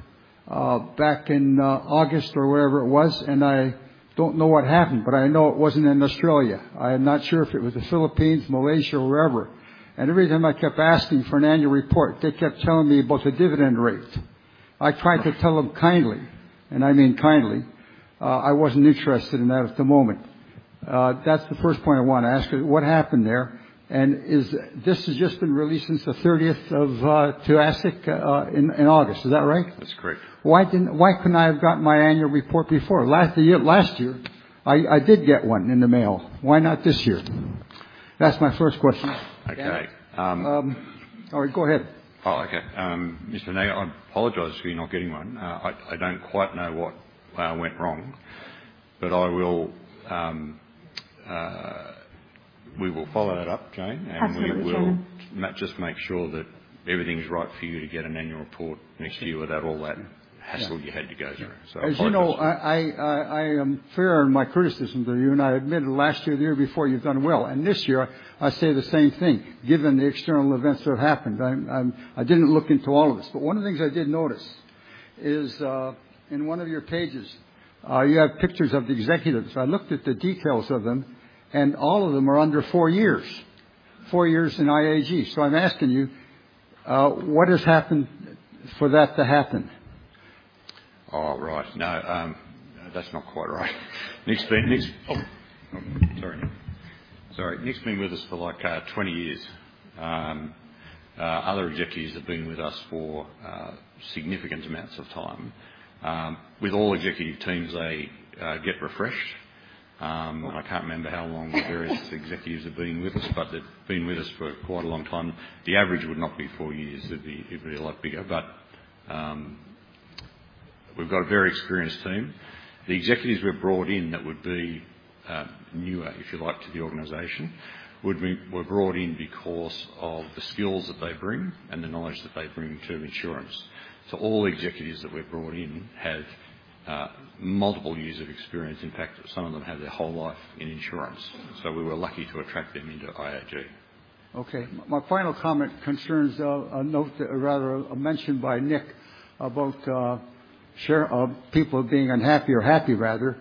back in August or wherever it was, and I don't know what happened, but I know it wasn't in Australia. I'm not sure if it was the Philippines, Malaysia, or wherever. And every time I kept asking for an annual report, they kept telling me about the dividend rate. I tried to tell them kindly, and I mean kindly, I wasn't interested in that at the moment. That's the first point I want to ask you: what happened there? And is this has just been released since the ASIC in 30 August 2023. Is that right? That's correct. Why couldn't I have gotten my annual report before? Last year, I did get one in the mail. Why not this year? That's my first question. Okay, um... All right, go ahead. Oh, okay. Mr. Nagy, I apologize for you not getting one. I don't quite know what went wrong, but we will follow that up, Jane. Absolutely, chairman. We will just make sure that everything's right for you to get an annual report next year without all that hassle you had to go through. Yeah. I apologize. As you know, I am fair in my criticism to you, and I admit last year, the year before, you've done well. And this year, I say the same thing, given the external events that have happened. I'm. I didn't look into all of this, but one of the things I did notice is, in one of your pages, you have pictures of the executives. I looked at the details of them, and all of them are under four years, four years in IAG. So I'm asking you, what has happened for that to happen? Oh, right. No, that's not quite right. Nick's been, Nick's... Sorry. Sorry. Nick's been with us for, like, 20 years. Other executives have been with us for significant amounts of time. With all executive teams, they get refreshed. I can't remember how long the various executives have been with us, but they've been with us for quite a long time. The average would not be four years, it'd be a lot bigger. We've got a very experienced team. The executives we've brought in, that would be newer, if you like, to the organization, were brought in because of the skills that they bring and the knowledge that they bring to insurance. All the executives that we've brought in have multiple years of experience. In fact, some of them have their whole life in insurance, so we were lucky to attract them into IAG. Okay. My final comment concerns a note, rather a mention by Nick about share, people being unhappy or happy, rather.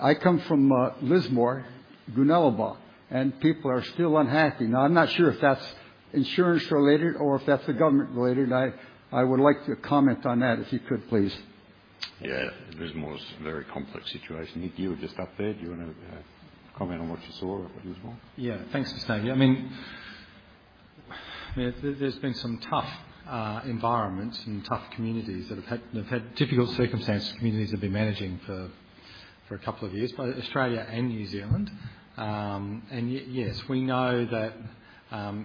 I come from Lismore, Goonellabah, and people are still unhappy. Now, I'm not sure if that's insurance related or if that's government related. I would like to comment on that, if you could, please. Yeah, Lismore is a very complex situation. Nick, you were just up there. Do you want to comment on what you saw at Lismore? Yeah. Thanks, Mr. Nagy. I mean, there's been some tough environments and tough communities that have had difficult circumstances, communities have been managing for a couple of years, both Australia and New Zealand. And yes, we know that,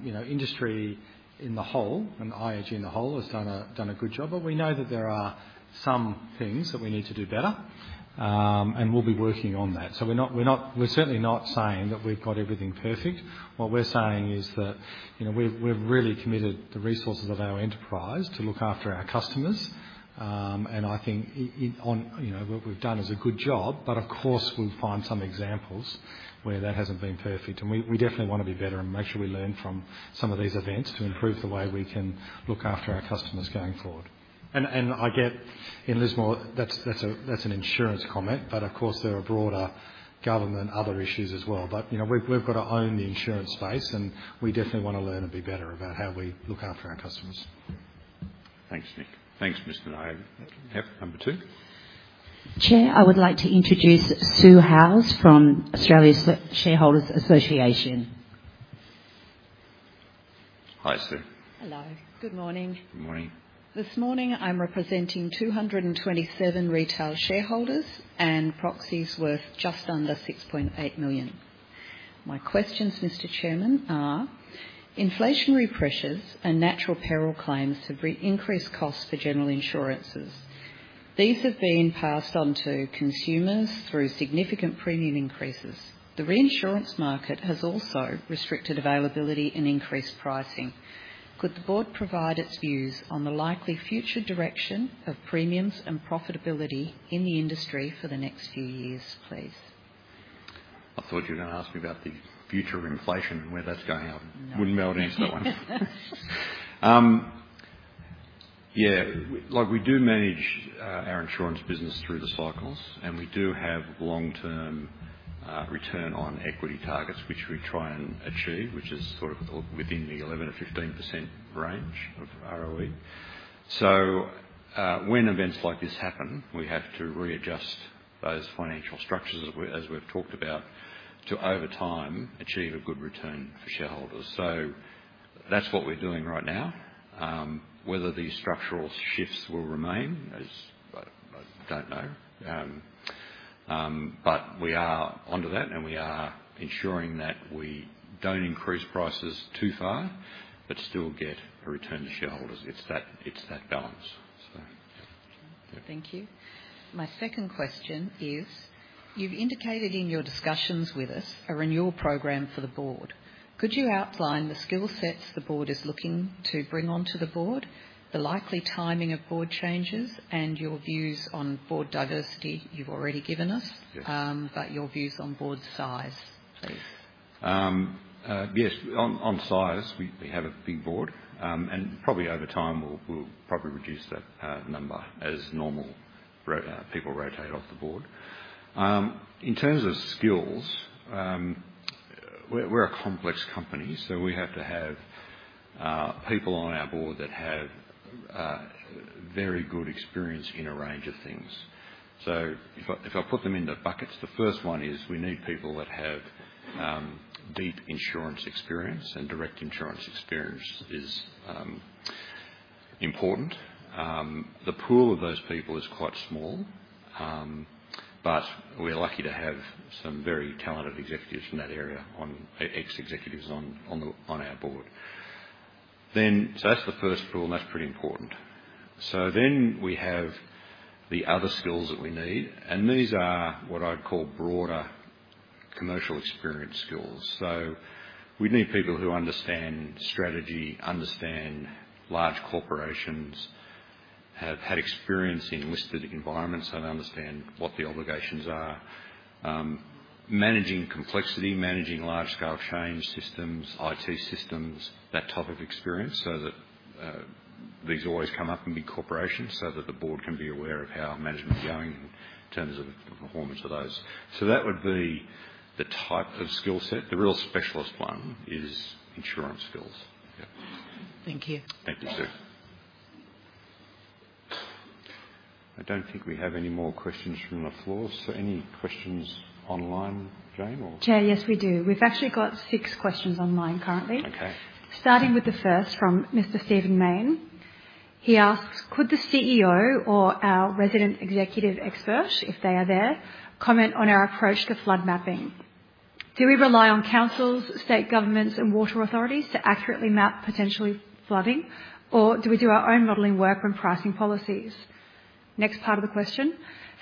you know, industry in the whole, and IAG in the whole, has done a good job, but we know that there are some things that we need to do better, and we'll be working on that. So we're not-- we're certainly not saying that we've got everything perfect. What we're saying is that, you know, we've really committed the resources of our enterprise to look after our customers. And I think, you know, what we've done is a good job, but of course, we'll find some examples where that hasn't been perfect. We definitely want to be better and make sure we learn from some of these events to improve the way we can look after our customers going forward. And I get in Lismore, that's a, that's an insurance comment, but of course, there are broader government and other issues as well. But, you know, we've got to own the insurance space, and we definitely want to learn and be better about how we look after our customers. Thanks, Nick. Thanks, Mr. Nagy. Yep, number two. Chair, I would like to introduce Sue Howes from Australian Shareholders' Association. Hi, Sue. Hello. Good morning. Good morning. This morning, I'm representing 227 retail shareholders and proxies worth just under 6.8 million. My questions, Mr. Chairman, are inflationary pressures and natural peril claims have increased costs for general insurances. These have been passed on to consumers through significant premium increases. The reinsurance market has also restricted availability and increased pricing. Could the board provide its views on the likely future direction of premiums and profitability in the industry for the next few years, please? I thought you were going to ask me about the future of inflation and where that's going. I wouldn't melt into that one. Yeah, look, we do manage our insurance business through the cycles, and we do have long-term return on equity targets, which we try and achieve, which is sort of within the 11% to 15% range of ROE. So, when events like this happen, we have to readjust those financial structures, as we, as we've talked about, to, over time, achieve a good return for shareholders. So that's what we're doing right now. Whether these structural shifts will remain, I don't know. But we are onto that, and we are ensuring that we don't increase prices too far but still get a return to shareholders. It's that, it's that balance, so. Thank you. My second question is: you've indicated in your discussions with us a renewal program for the board. Could you outline the skill sets the board is looking to bring onto the board, the likely timing of board changes, and your views on board diversity? You've already given us... Yes. Your views on board size, please? Yes, on size, we have a big board, and probably over time, we'll probably reduce that number as normal people rotate off the board. In terms of skills, we're a complex company, so we have to have people on our board that have very good experience in a range of things. So if I put them into buckets, the first one is we need people that have deep insurance experience, and direct insurance experience is important. The pool of those people is quite small, but we're lucky to have some very talented ex-executives on our board. So that's the first rule, and that's pretty important. So then we have the other skills that we need, and these are what I'd call broader commercial experience skills. So we need people who understand strategy, understand large corporations, have had experience in listed environments and understand what the obligations are. Managing complexity, managing large-scale change systems, IT systems, that type of experience, so that these always come up in big corporations, so that the board can be aware of how management is going in terms of the performance of those. So that would be the type of skill set. The real specialist one is insurance skills. Yeah. Thank you. Thank you, Sue. I don't think we have any more questions from the floor, so any questions online, Jane, or? Chair, yes, we do. We've actually got six questions online currently. Okay. Starting with the first from Mr. Stephen Mayne. He asks: Could the CEO or our resident executive expert, if they are there, comment on our approach to flood mapping? Do we rely on councils, state governments, and water authorities to accurately map potentially flooding, or do we do our own modeling work when pricing policies? Next part of the question: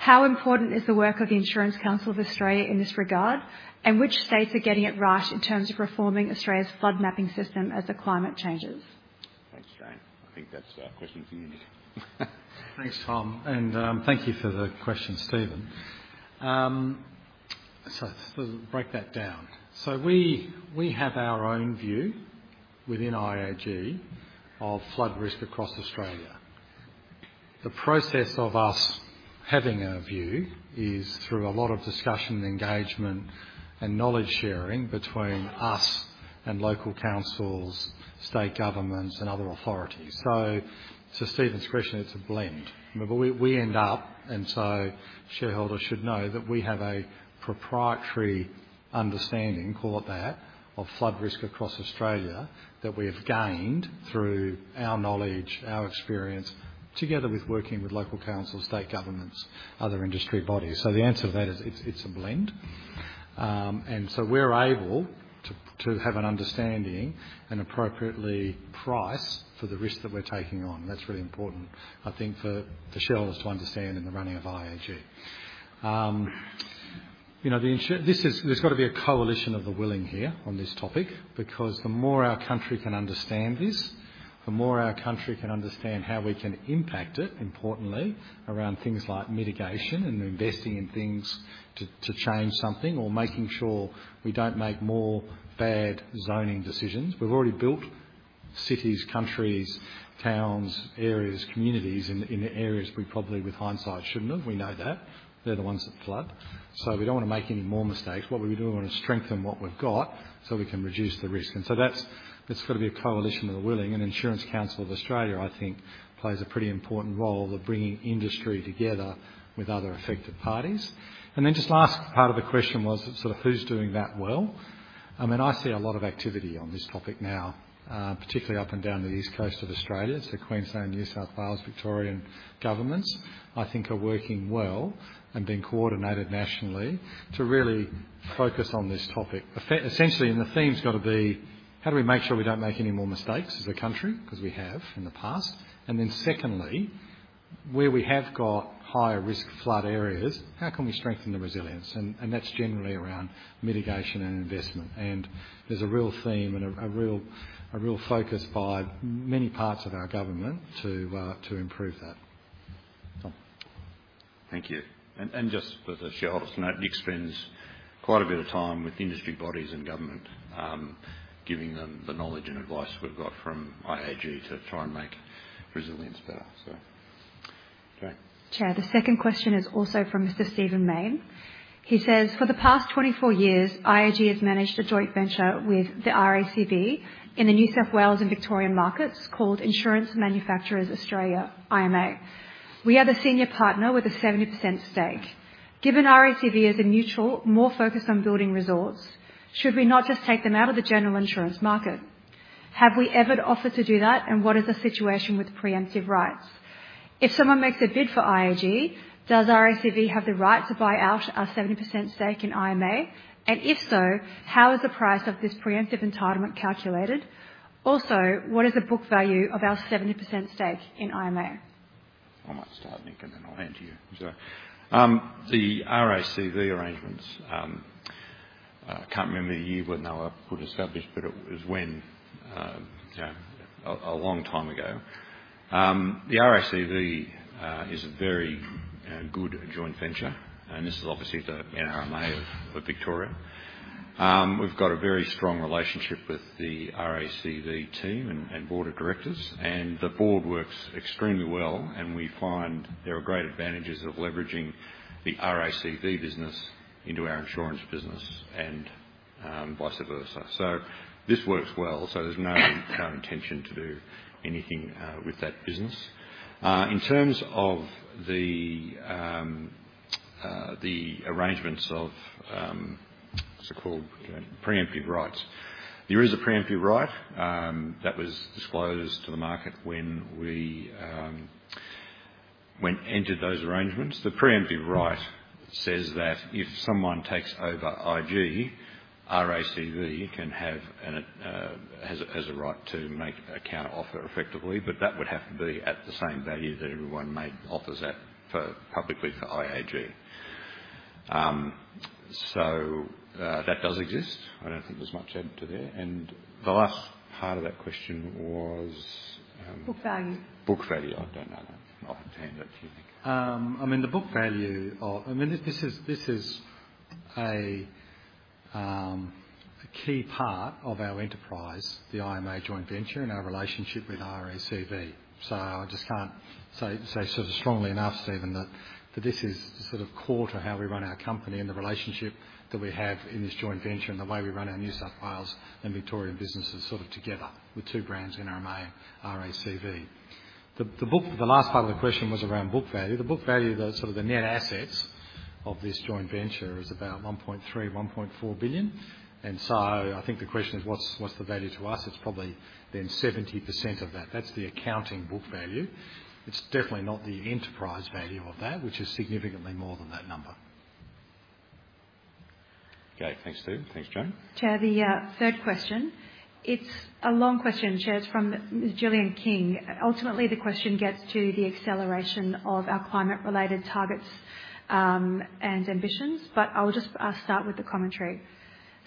How important is the work of the Insurance Council of Australia in this regard, and which states are getting it right in terms of reforming Australia's flood mapping system as the climate changes? Thanks, Jane. I think that's a question for you, Nick. Thanks, Tom, and, thank you for the question, Steven. So to break that down, so we, we have our own view within IAG of flood risk across Australia. The process of us having our view is through a lot of discussion, engagement, and knowledge sharing between us and local councils, state governments, and other authorities. So to Steven's question, it's a blend. But we, we end up, and so shareholders should know, that we have a proprietary understanding, call it that, of flood risk across Australia that we have gained through our knowledge, our experience, together with working with local councils, state governments, other industry bodies. So the answer to that is it's, it's a blend. And so we're able to, to have an understanding and appropriately price for the risk that we're taking on. That's really important, I think, for shareholders to understand in the running of IAG. You know, the insu... This is-- there's got to be a coalition of the willing here on this topic, because the more our country can understand this, the more our country can understand how we can impact it, importantly, around things like mitigation and investing in things to change something or making sure we don't make more bad zoning decisions. We've already built cities, countries, towns, areas, communities in areas we probably, with hindsight, shouldn't have. We know that. They're the ones that flood. We don't want to make any more mistakes. What we do want to strengthen what we've got, so we can reduce the risk. And so that's, it's got to be a coalition of the willing, and Insurance Council of Australia, I think, plays a pretty important role of bringing industry together with other affected parties. And then just last part of the question was sort of who's doing that well? I mean, I see a lot of activity on this topic now, particularly up and down the east coast of Australia. So Queensland, New South Wales, Victorian governments, I think, are working well and being coordinated nationally to really focus on this topic. Essentially, and the theme's got to be: how do we make sure we don't make any more mistakes as a country? Because we have in the past. And then secondly, where we have got higher risk flood areas, how can we strengthen the resilience? And that's generally around mitigation and investment. And there's a real theme and a real focus by many parts of our government to improve that. Tom? Thank you. And just for the shareholders to note, Nick spends quite a bit of time with industry bodies and government, giving them the knowledge and advice we've got from IAG to try and make resilience better. So... Jane? Chair, the second question is also from Mr. Stephen Mayne. He says: For the past 24 years, IAG has managed a joint venture with the RACV in the New South Wales and Victorian markets called Insurance Manufacturers Australia, IMA. We are the senior partner with a 70% stake. Given RACV is a neutral, more focused on building resorts, should we not just take them out of the general insurance market? Have we ever offered to do that, and what is the situation with preemptive rights? If someone makes a bid for IAG, does RACV have the right to buy out our 70% stake in IMA? And if so, how is the price of this preemptive entitlement calculated? Also, what is the book value of our 70% stake in IMA? I might start, Nick, and then I'll hand to you. So, the RACV arrangements, I can't remember the year when they were put established, but it was when a long time ago. The RACV is a very good joint venture, and this is obviously the NRMA of Victoria. We've got a very strong relationship with the RACV team and board of directors, and the board works extremely well, and we find there are great advantages of leveraging the RACV business into our insurance business and vice versa. So this works well, so there's no intention to do anything with that business. In terms of the arrangements of what's it called? Pre-emptive rights. There is a pre-emptive right that was disclosed to the market when we when entered those arrangements. The pre-emptive right says that if someone takes over IG, RACV can have an, has, has a right to make a counteroffer effectively, but that would have to be at the same value that everyone made offers at for publicly for IAG. So, that does exist. I don't think there's much to add to there. And the last part of that question was, Book value. Book value. I don't know that offhand, but you think. I mean, this is a key part of our enterprise, the IMA joint venture and our relationship with RACV. So I just can't say sort of strongly enough, Stephen, that this is sort of core to how we run our company and the relationship that we have in this joint venture and the way we run our New South Wales and Victorian businesses sort of together with two brands, NRMA and RACV. The last part of the question was around book value. The book value, the sort of the net assets of this joint venture is about 1.3 to 1.4 billion, and so I think the question is what's the value to us? It's probably then 70% of that. That's the accounting book value. It's definitely not the enterprise value of that, which is significantly more than that number. Okay. Thanks, Steve. Thanks, Jane. Chair, the third question, it's a long question, Chair. It's from Jillian King. Ultimately, the question gets to the acceleration of our climate-related targets and ambitions, but I'll just start with the commentary.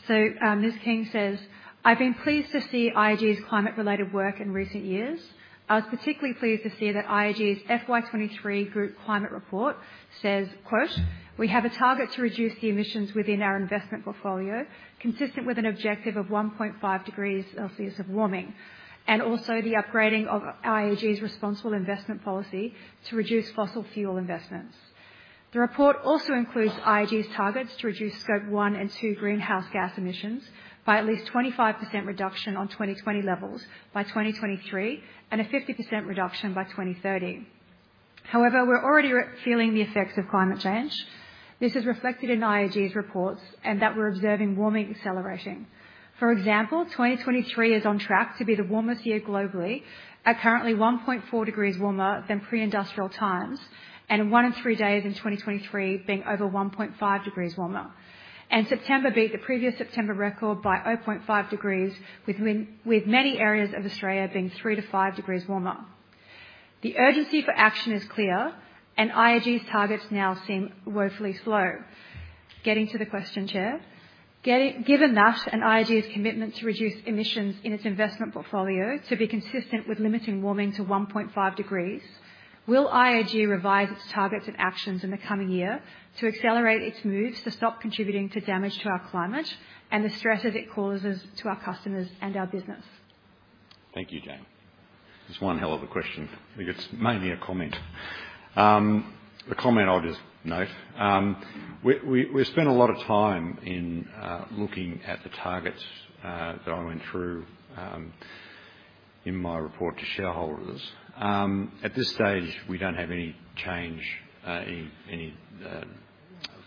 So, Ms. King says: "I've been pleased to see IAG's climate-related work in recent years. I was particularly pleased to see that IAG's FY23 group climate report says, quote, 'We have a target to reduce the emissions within our investment portfolio, consistent with an objective of 1.5 degrees Celsius of warming, and also the upgrading of IAG's responsible investment policy to reduce fossil fuel investments.' The report also includes IAG's targets to reduce Scope 1 and Scope 2 greenhouse gas emissions by at least 25% reduction on 2020 levels by 2023, and a 50% reduction by 2030. However, we're already feeling the effects of climate change. This is reflected in IAG's reports and that we're observing warming accelerating. For example, 2023 is on track to be the warmest year globally, at currently 1.4 degrees warmer than pre-industrial times, and one in three days in 2023 being over 1.5 degrees warmer. And September beat the previous September record by 0.5 degrees, with many areas of Australia being three to five degrees warmer. The urgency for action is clear, and IAG's targets now seem woefully slow." Getting to the question, Chair: "Getting... Given that, and IAG's commitment to reduce emissions in its investment portfolio to be consistent with limiting warming to 1.5 degrees, will IAG revise its targets and actions in the coming year to accelerate its moves to stop contributing to damage to our climate and the stresses it causes to our customers and our business? Thank you, Jane. It's one hell of a question. I think it's mainly a comment. The comment I'll just note. We spent a lot of time in looking at the targets that I went through in my report to shareholders. At this stage, we don't have any change, any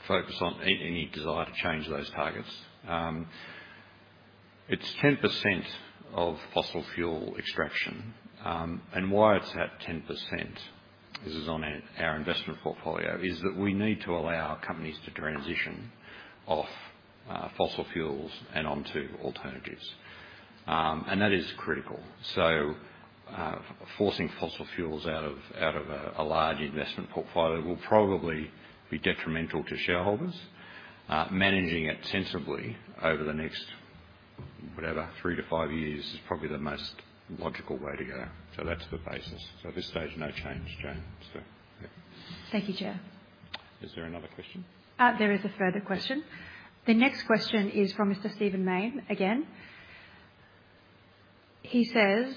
focus on any desire to change those targets. It's 10% of fossil fuel extraction. And why it's at 10%, this is on our investment portfolio, is that we need to allow companies to transition off fossil fuels and onto alternatives. And that is critical. So, forcing fossil fuels out of a large investment portfolio will probably be detrimental to shareholders. Managing it sensibly over the next, whatever, three to five years is probably the most logical way to go. So that's the basis. So at this stage, no change, Jane. So yeah. Thank you, Chair. Is there another question? There is a further question. The next question is from Mr. Stephen Mayne, again. He says...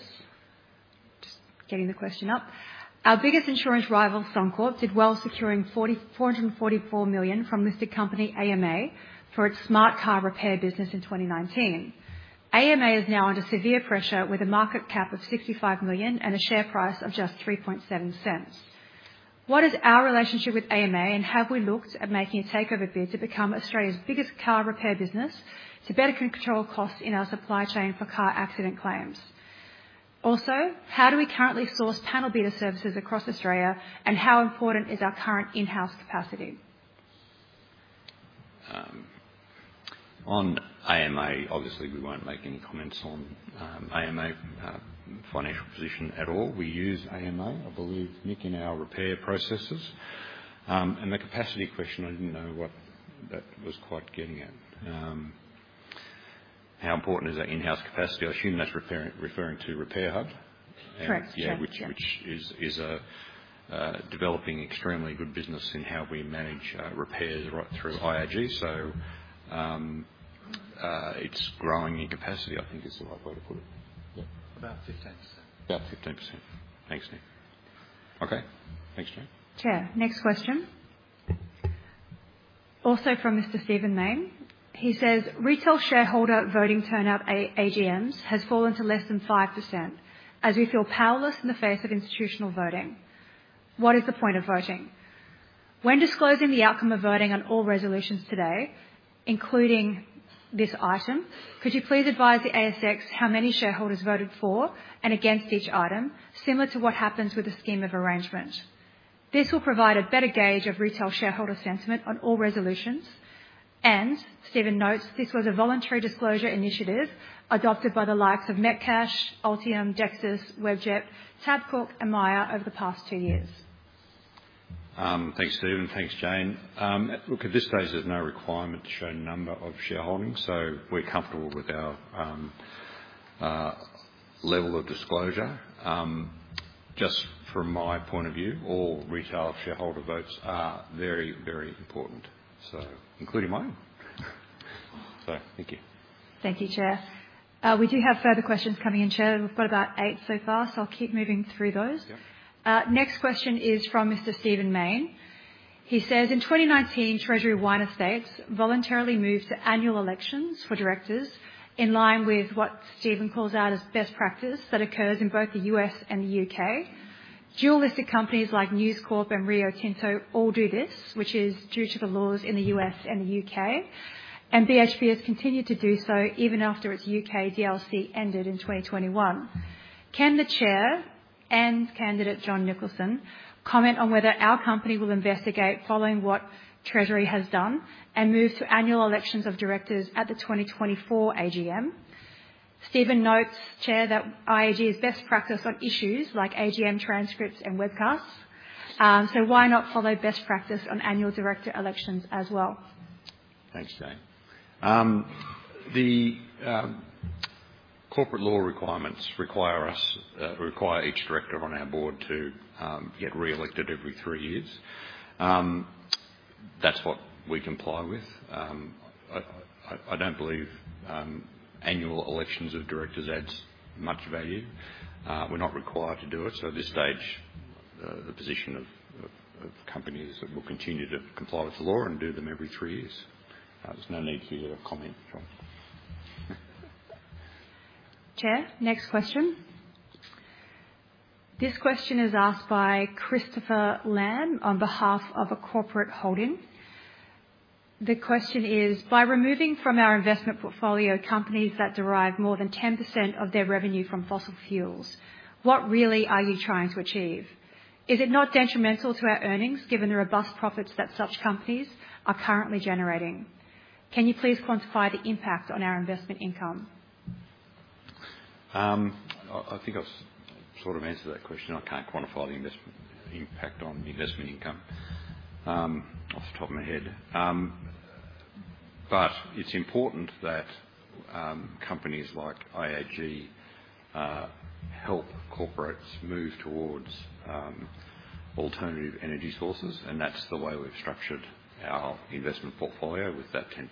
"Our biggest insurance rival, Suncorp, did well securing 444 million from listed company AMA for its Smart car repair business in 2019. AMA is now under severe pressure with a market cap of 65 million and a share price of just 0.037. What is our relationship with AMA, and have we looked at making a takeover bid to become Australia's biggest car repair business to better control costs in our supply chain for car accident claims? Also, how do we currently source panel beater services across Australia, and how important is our current in-house capacity? On AMA, obviously, we won't make any comments on, AMA, financial position at all. We use AMA, I believe, Nick, in our repair processes. And the capacity question, I didn't know what that was quite getting at. How important is our in-house capacity? I assume that's referring to Repairhub? Correct. Sure, yeah. Which is a developing extremely good business in how we manage repairs right through IAG. So, it's growing in capacity, I think is the right way to put it. Yeah. About 15%. About 15%. Thanks, Nick. Okay, thanks, Jane. Chair, next question. Also from Mr. Stephen Mayne. He says, "Retail shareholder voting turnout at AGMs has fallen to less than 5%, as we feel powerless in the face of institutional voting. What is the point of voting? When disclosing the outcome of voting on all resolutions today, including this item, could you please advise the ASX how many shareholders voted for and against each item, similar to what happens with the scheme of arrangement. This will provide a better gauge of retail shareholder sentiment on all resolutions," and Stephen notes, "This was a voluntary disclosure initiative adopted by the likes of Metcash, Altium, Dexus, Webjet, Tabcorp, and Myer over the past two years. Thanks, Stephen. Thanks, Jane. Look, at this stage, there's no requirement to show number of shareholdings, so we're comfortable with our level of disclosure. Just from my point of view, all retail shareholder votes are very, very important, so including mine. So thank you. Thank you, Chair. We do have further questions coming in, Chair. We've got about eight so far, so I'll keep moving through those. Yeah. Next question is from Mr. Stephen Mayne. He says, "In 2019, Treasury Wine Estates voluntarily moved to annual elections for directors in line with what Stephen calls out as best practice that occurs in both the US and the UK Dual-listed companies like News Corp and Rio Tinto all do this, which is due to the laws in the US and the UK, and BHP has continued to do so even after its UK DLC ended in 2021. Can the Chair and candidate, John Nicholson, comment on whether our company will investigate following what Treasury has done and move to annual elections of directors at the 2024 AGM? Stephen notes, Chair, that IAG's best practice on issues like AGM transcripts and webcasts, so why not follow best practice on annual director elections as well? Thanks, Jane. The corporate law requirements require each director on our board to get reelected every three years. That's what we comply with. I don't believe annual elections of directors adds much value. We're not required to do it, so at this stage, the position of the company is that we'll continue to comply with the law and do them every three years. There's no need for you to comment, John. Chair, next question. This question is asked by Christopher Lamb on behalf of a corporate holding. The question is: "By removing from our investment portfolio companies that derive more than 10% of their revenue from fossil fuels, what really are you trying to achieve? Is it not detrimental to our earnings, given the robust profits that such companies are currently generating? Can you please quantify the impact on our investment income? I think I sort of answered that question. I can't quantify the investment, the impact on the investment income, off the top of my head. But it's important that companies like IAG help corporates move towards alternative energy sources, and that's the way we've structured our investment portfolio with that 10%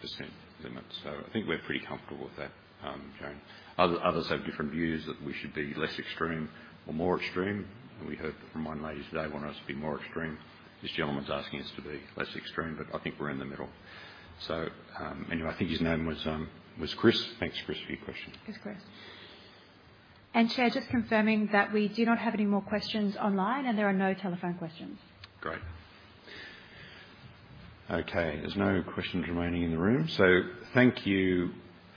limit. So I think we're pretty comfortable with that, Jane. Others have different views, that we should be less extreme or more extreme. We heard from one lady today want us to be more extreme. This gentleman's asking us to be less extreme, but I think we're in the middle. So, anyway, I think his name was Chris. Thanks, Chris, for your question. Yes, Chris. Chair, just confirming that we do not have any more questions online, and there are no telephone questions. Great. Okay, there's no questions remaining in the room, so thank you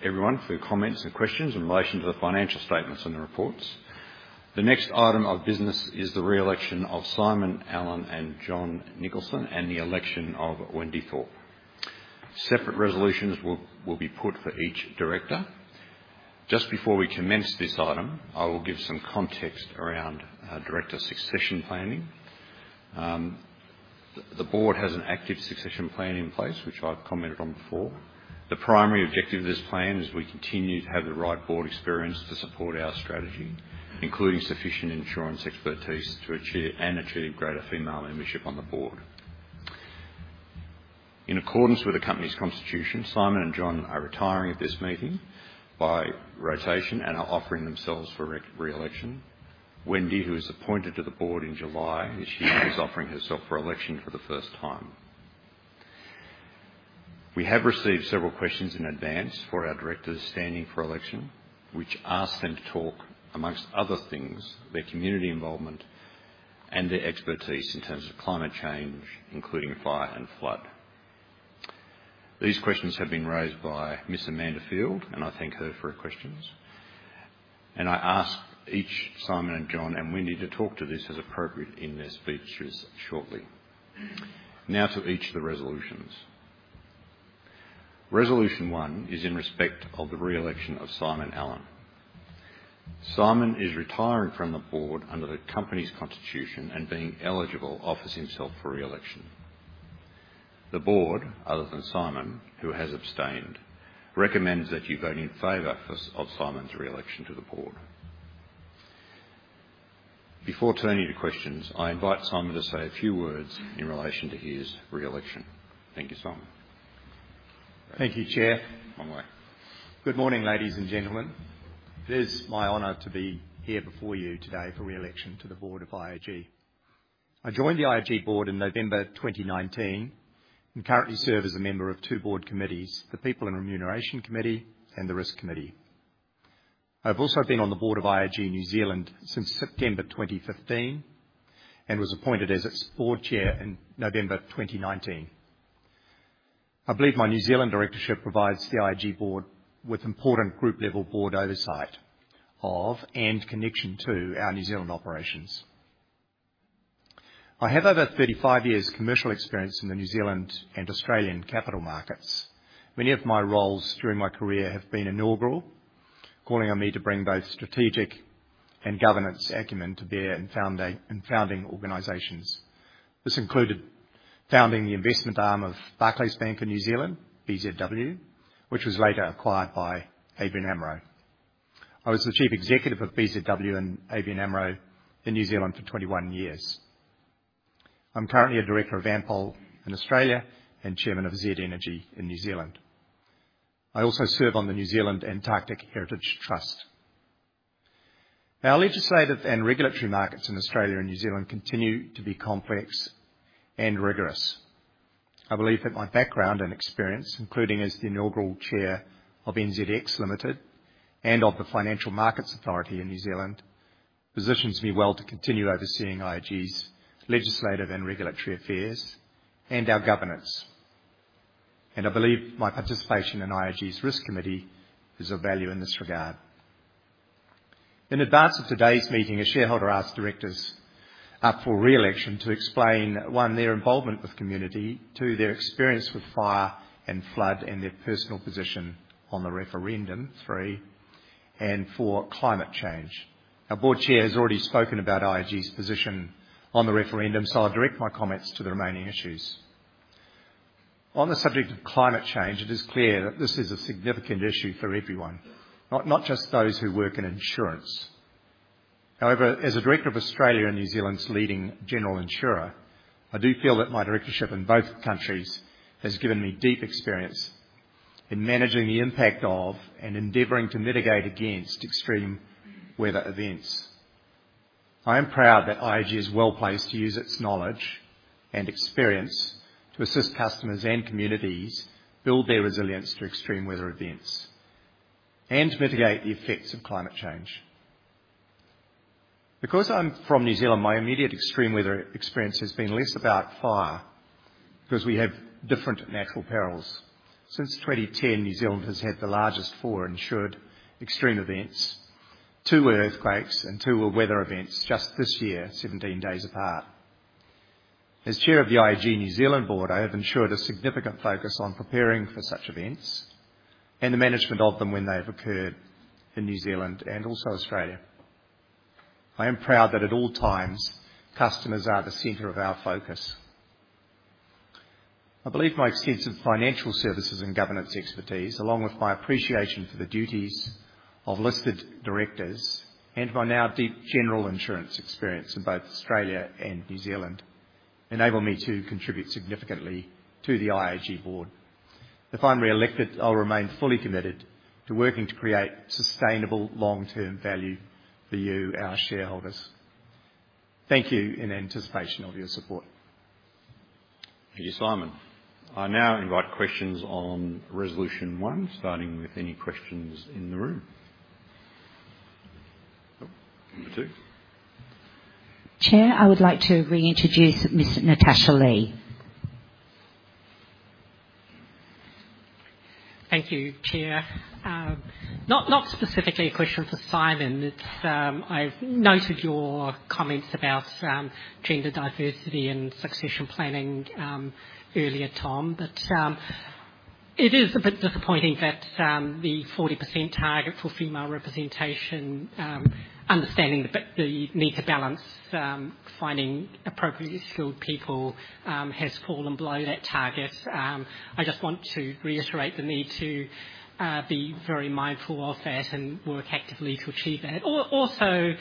everyone for your comments and questions in relation to the financial statements and the reports. The next item of business is the re-election of Simon Allen and John Nicholson and the election of Wendy Thorpe. Separate resolutions will be put for each director. Just before we commence this item, I will give some context around director succession planning. The board has an active succession plan in place, which I've commented on before. The primary objective of this plan is we continue to have the right board experience to support our strategy, including sufficient insurance expertise to achieve, and achieving greater female membership on the board. In accordance with the company's constitution, Simon and John are retiring at this meeting by rotation and are offering themselves for re-election. Wendy, who was appointed to the board in July this year, is offering herself for election for the first time. We have received several questions in advance for our directors standing for election, which ask them to talk, amongst other things, their community involvement and their expertise in terms of climate change, including fire and flood. These questions have been raised by Ms. Amanda Field, and I thank her for her questions. I ask each Simon and John and Wendy to talk to this as appropriate in their speeches shortly. Now to each of the resolutions. Resolution one is in respect of the re-election of Simon Allen. Simon is retiring from the board under the company's constitution and being eligible, offers himself for re-election. The board, other than Simon, who has abstained, recommends that you vote in favor for, of Simon's re-election to the board. Before turning to questions, I invite Simon to say a few words in relation to his re-election. Thank you, Simon. Thank you, Chair. Long way. Good morning, ladies and gentlemen. It is my honor to be here before you today for re-election to the board of IAG. I joined the IAG board in November 2019, and currently serve as a member of two board committees, the People and Remuneration Committee and the Risk Committee. I've also been on the board of IAG New Zealand since September 2015, and was appointed as its board Chair in November 2019. I believe my New Zealand directorship provides the IAG board with important group level board oversight of, and connection to our New Zealand operations. I have over 35 years commercial experience in the New Zealand and Australian capital markets. Many of my roles during my career have been inaugural, calling on me to bring both strategic and governance acumen to bear in founding organizations. This included founding the investment arm of Barclays Bank in New Zealand, BZW, which was later acquired by ABN AMRO. I was the Chief Executive of BZW and ABN AMRO in New Zealand for 21 years. I'm currently a director of Ampol in Australia and chairman of Z Energy in New Zealand. I also serve on the New Zealand Antarctic Heritage Trust. Our legislative and regulatory markets in Australia and New Zealand continue to be complex and rigorous. I believe that my background and experience, including as the inaugural chair of NZX Limited and of the Financial Markets Authority in New Zealand, positions me well to continue overseeing IAG's legislative and regulatory affairs and our governance, and I believe my participation in IAG's risk committee is of value in this regard. In advance of today's meeting, a shareholder asked directors up for re-election to explain, one, their involvement with community. Two, their experience with fire and flood, and their personal position on the referendum, three, and four, climate change. Our board chair has already spoken about IAG's position on the referendum, so I'll direct my comments to the remaining issues. On the subject of climate change, it is clear that this is a significant issue for everyone, not just those who work in insurance. However, as a director of Australia and New Zealand's leading general insurer, I do feel that my directorship in both countries has given me deep experience in managing the impact of, and endeavoring to mitigate against extreme weather events. I am proud that IAG is well placed to use its knowledge and experience to assist customers and communities build their resilience to extreme weather events and to mitigate the effects of climate change. Because I'm from New Zealand, my immediate extreme weather experience has been less about fire, because we have different natural perils. Since 2010, New Zealand has had the largest four insured extreme events. Two were earthquakes and two were weather events just this year, 17 days apart. As Chair of the IAG New Zealand Board, I have ensured a significant focus on preparing for such events and the management of them when they've occurred in New Zealand and also Australia. I am proud that at all times, customers are the center of our focus. I believe my extensive financial services and governance expertise, along with my appreciation for the duties of listed directors and my now deep general insurance experience in both Australia and New Zealand, enable me to contribute significantly to the IAG Board. If I'm re-elected, I'll remain fully committed to working to create sustainable, long-term value for you, our shareholders. Thank you in anticipation of your support. Thank you, Simon. I now invite questions on resolution one, starting with any questions in the room. Oh, number two. Chair, I would like to reintroduce Miss Natasha Lee. Thank you, Chair. Not specifically a question for Simon. It's, I've noted your comments about gender diversity and succession planning earlier, Tom, but it is a bit disappointing that the 40% target for female representation, understanding the need to balance finding appropriately skilled people, has fallen below that target. I just want to reiterate the need to be very mindful of that and work actively to achieve that. Also,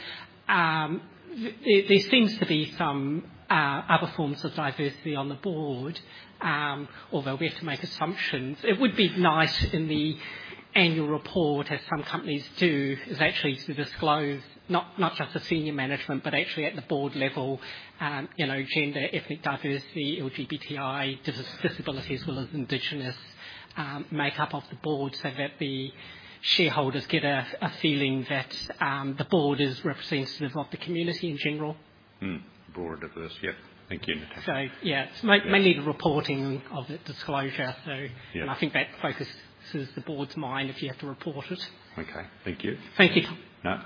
there seems to be some other forms of diversity on the board, although we have to make assumptions. It would be nice in the annual report, as some companies do, is actually to disclose not just the senior management, but actually at the board level, you know, gender, ethnic diversity, LGBTI, disabilities, as well as Indigenous makeup of the board, so that the shareholders get a feeling that the board is representative of the community in general. Hmm. Board diversity. Yeah, thank you, Natasha. So yeah, it's mainly the reporting of the disclosure, so... Yeah. I think that focuses the board's mind if you have to report it. Okay, thank you. Thank you.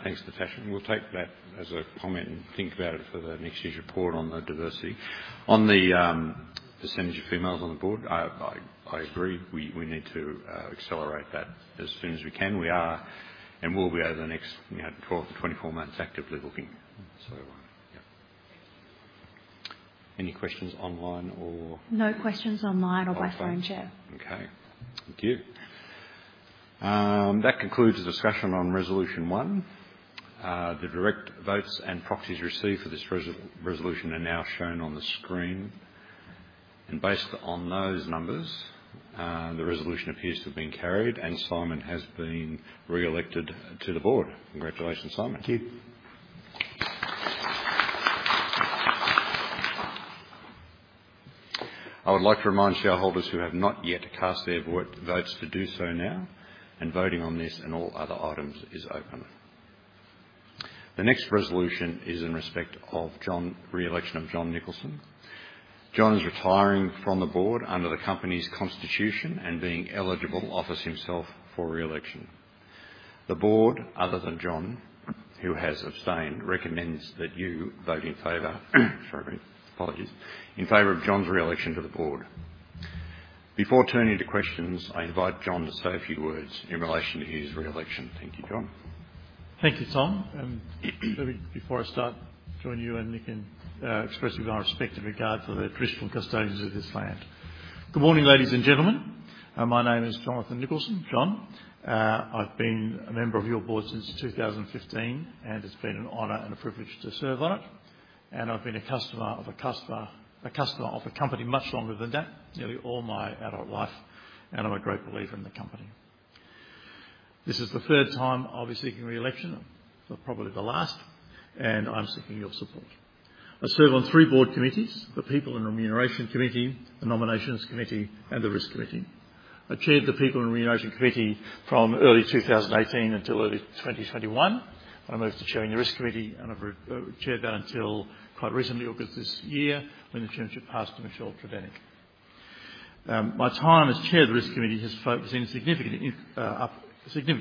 Thanks, Natasha. We'll take that as a comment and think about it for the next year's report on the diversity. On the percentage of females on the board, I agree, we need to accelerate that as soon as we can. We are, and will be over the next, you know, 12 to 24 months, actively looking. Yeah. Any questions online or? No questions online or by phone, Chair. Okay. Thank you. That concludes the discussion on resolution one. The direct votes and proxies received for this resolution are now shown on the screen, and based on those numbers, the resolution appears to have been carried, and Simon has been reelected to the board. Congratulations, Simon. Thank you. I would like to remind shareholders who have not yet cast their vote, votes to do so now, and voting on this and all other items is open. The next resolution is in respect of John... re-election of John Nicholson. John is retiring from the board under the company's constitution, and being eligible, offers himself for re-election. The board, other than John, who has abstained, recommends that you vote in favor, sorry, apologies, in favor of John's re-election to the board. Before turning to questions, I invite John to say a few words in relation to his re-election. Thank you, John. Thank you, Tom. Before I start, join you and Nick in expressing our respect and regard for the traditional custodians of this land. Good morning, ladies and gentlemen. My name is John Nicholson. I've been a member of your board since 2015, and it's been an honor and a privilege to serve on it, and I've been a customer of a customer, a customer of the company much longer than that, nearly all my adult life, and I'm a great believer in the company. This is the third time I'll be seeking re-election, so probably the last, and I'm seeking your support. I serve on three board committees: the People and Remuneration Committee, the Nominations Committee, and the Risk Committee. I chaired the People and Remuneration Committee from early 2018 until early 2021. I moved to chairing the Risk Committee, and I've chaired that until quite recently, August this year, when the chairmanship passed to Michelle Tredenick. My time as chair of the Risk Committee has focused on significant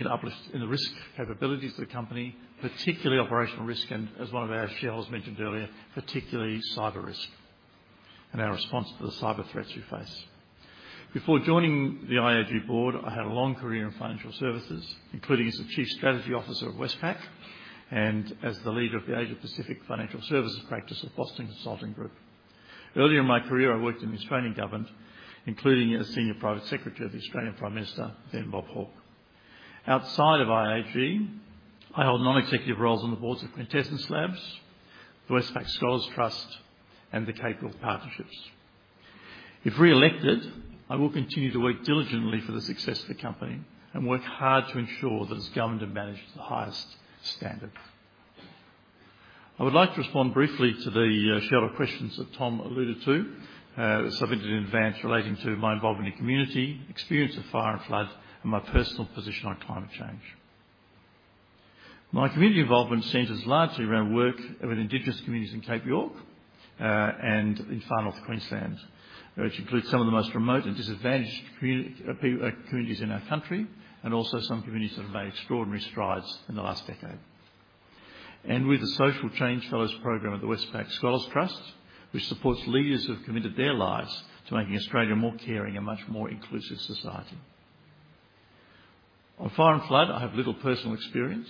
uplift in the risk capabilities of the company, particularly operational risk, and as one of our shareholders mentioned earlier, particularly cyber risk and our response to the cyber threats we face. Before joining the IAG board, I had a long career in financial services, including as the Chief Strategy Officer at Westpac and as the leader of the Asia Pacific Financial Services practice at Boston Consulting Group. Earlier in my career, I worked in the Australian government, including as Senior Private Secretary to the Australian Prime Minister, then Bob Hawke. Outside of IAG, I hold non-executive roles on the boards of QuintessenceLabs, the Westpac Scholars Trust, and the Cape York Partnerships. If reelected, I will continue to work diligently for the success of the company and work hard to ensure that it's governed and managed to the highest standard. I would like to respond briefly to the shareholder questions that Tom alluded to, submitted in advance relating to my involvement in community, experience of fire and flood, and my personal position on climate change. My community involvement centers largely around work with Indigenous communities in Cape York, and in Far North Queensland, which includes some of the most remote and disadvantaged communities in our country, and also some communities that have made extraordinary strides in the last decade. With the Social Change Fellows program at the Westpac Scholars Trust, which supports leaders who have committed their lives to making Australia a more caring and much more inclusive society. On fire and flood, I have little personal experience.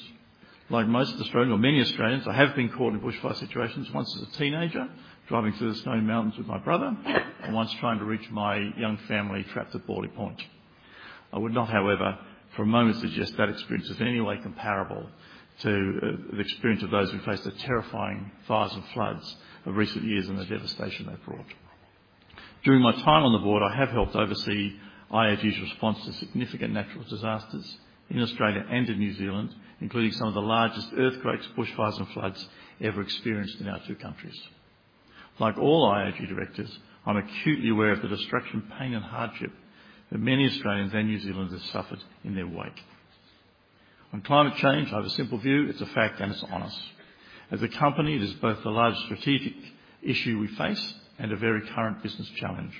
Like most Australians or many Australians, I have been caught in bushfire situations, once as a teenager, driving through the Snowy Mountains with my brother, and once trying to reach my young family trapped at Bawley Point. I would not, however, for a moment suggest that experience is in any way comparable to the experience of those who faced the terrifying fires and floods of recent years and the devastation they've brought. During my time on the board, I have helped oversee IAG's response to significant natural disasters in Australia and in New Zealand, including some of the largest earthquakes, bushfires, and floods ever experienced in our two countries. Like all IAG directors, I'm acutely aware of the destruction, pain, and hardship that many Australians and New Zealanders have suffered in their wake. On climate change, I have a simple view: It's a fact, and it's on us. As a company, it is both the largest strategic issue we face and a very current business challenge.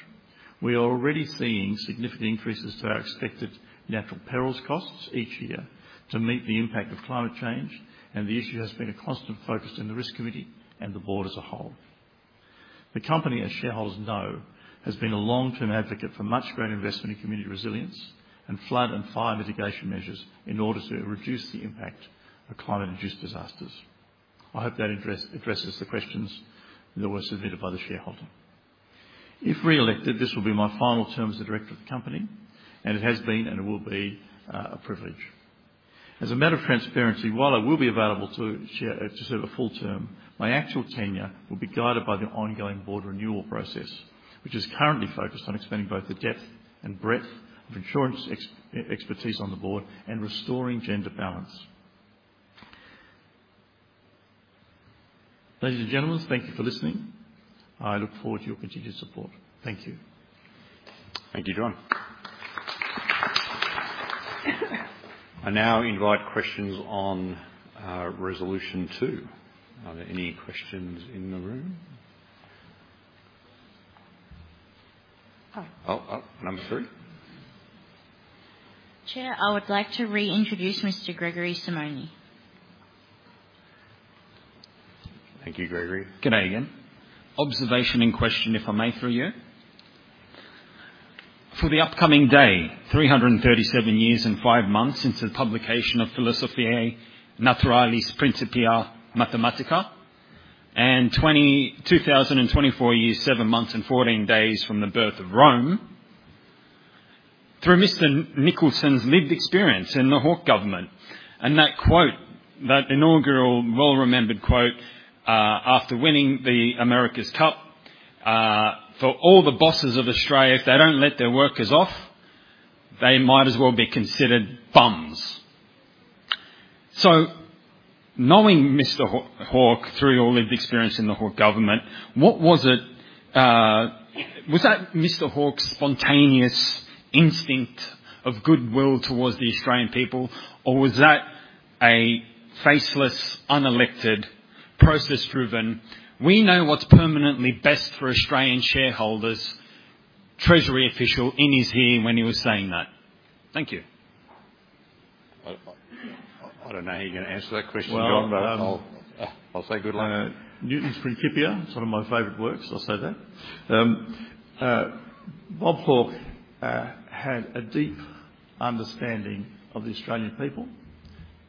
We are already seeing significant increases to our expected natural perils costs each year to meet the impact of climate change, and the issue has been a constant focus in the Risk Committee and the board as a whole. The company, as shareholders know, has been a long-term advocate for much greater investment in community resilience and flood and fire mitigation measures in order to reduce the impact of climate-induced disasters. I hope that addresses the questions that were submitted by the shareholder. If reelected, this will be my final term as a director of the company, and it has been and it will be a privilege. As a matter of transparency, while I will be available to share to serve a full term, my actual tenure will be guided by the ongoing board renewal process, which is currently focused on expanding both the depth and breadth of insurance expertise on the board and restoring gender balance. Ladies and gentlemen, thank you for listening. I look forward to your continued support. Thank you. Thank you, John. I now invite questions on resolution two. Are there any questions in the room? Oh. Oh, oh, number three. Chair, I would like to reintroduce Mr. Gregory Simoni. Thank you, Gregory. Good day again. Observation and question, if I may, through you. For the upcoming day, 337 years and five months since the publication of Philosophiae Naturalis Principia Mathematica, and 22,024 years, seven months, and 14 days from the birth of Rome. Through Mr. Nicholson's lived experience in the Hawke Government, and that quote, that inaugural, well-remembered quote, after winning the America's Cup, "For all the bosses of Australia, if they don't let their workers off, they might as well be considered bums." So knowing Mr. Hawke through your lived experience in the Hawke Government, what was it... Was that Mr. Hawke's spontaneous instinct of goodwill towards the Australian people, or was that a faceless, unelected, process-driven, "We know what's permanently best for Australian shareholders," treasury official in his ear when he was saying that? Thank you. I don't know how you're going to answer that question, John, but I'll say good luck. Well, Newton's Principia, it's one of my favorite works, I'll say that. Bob Hawke had a deep understanding of the Australian people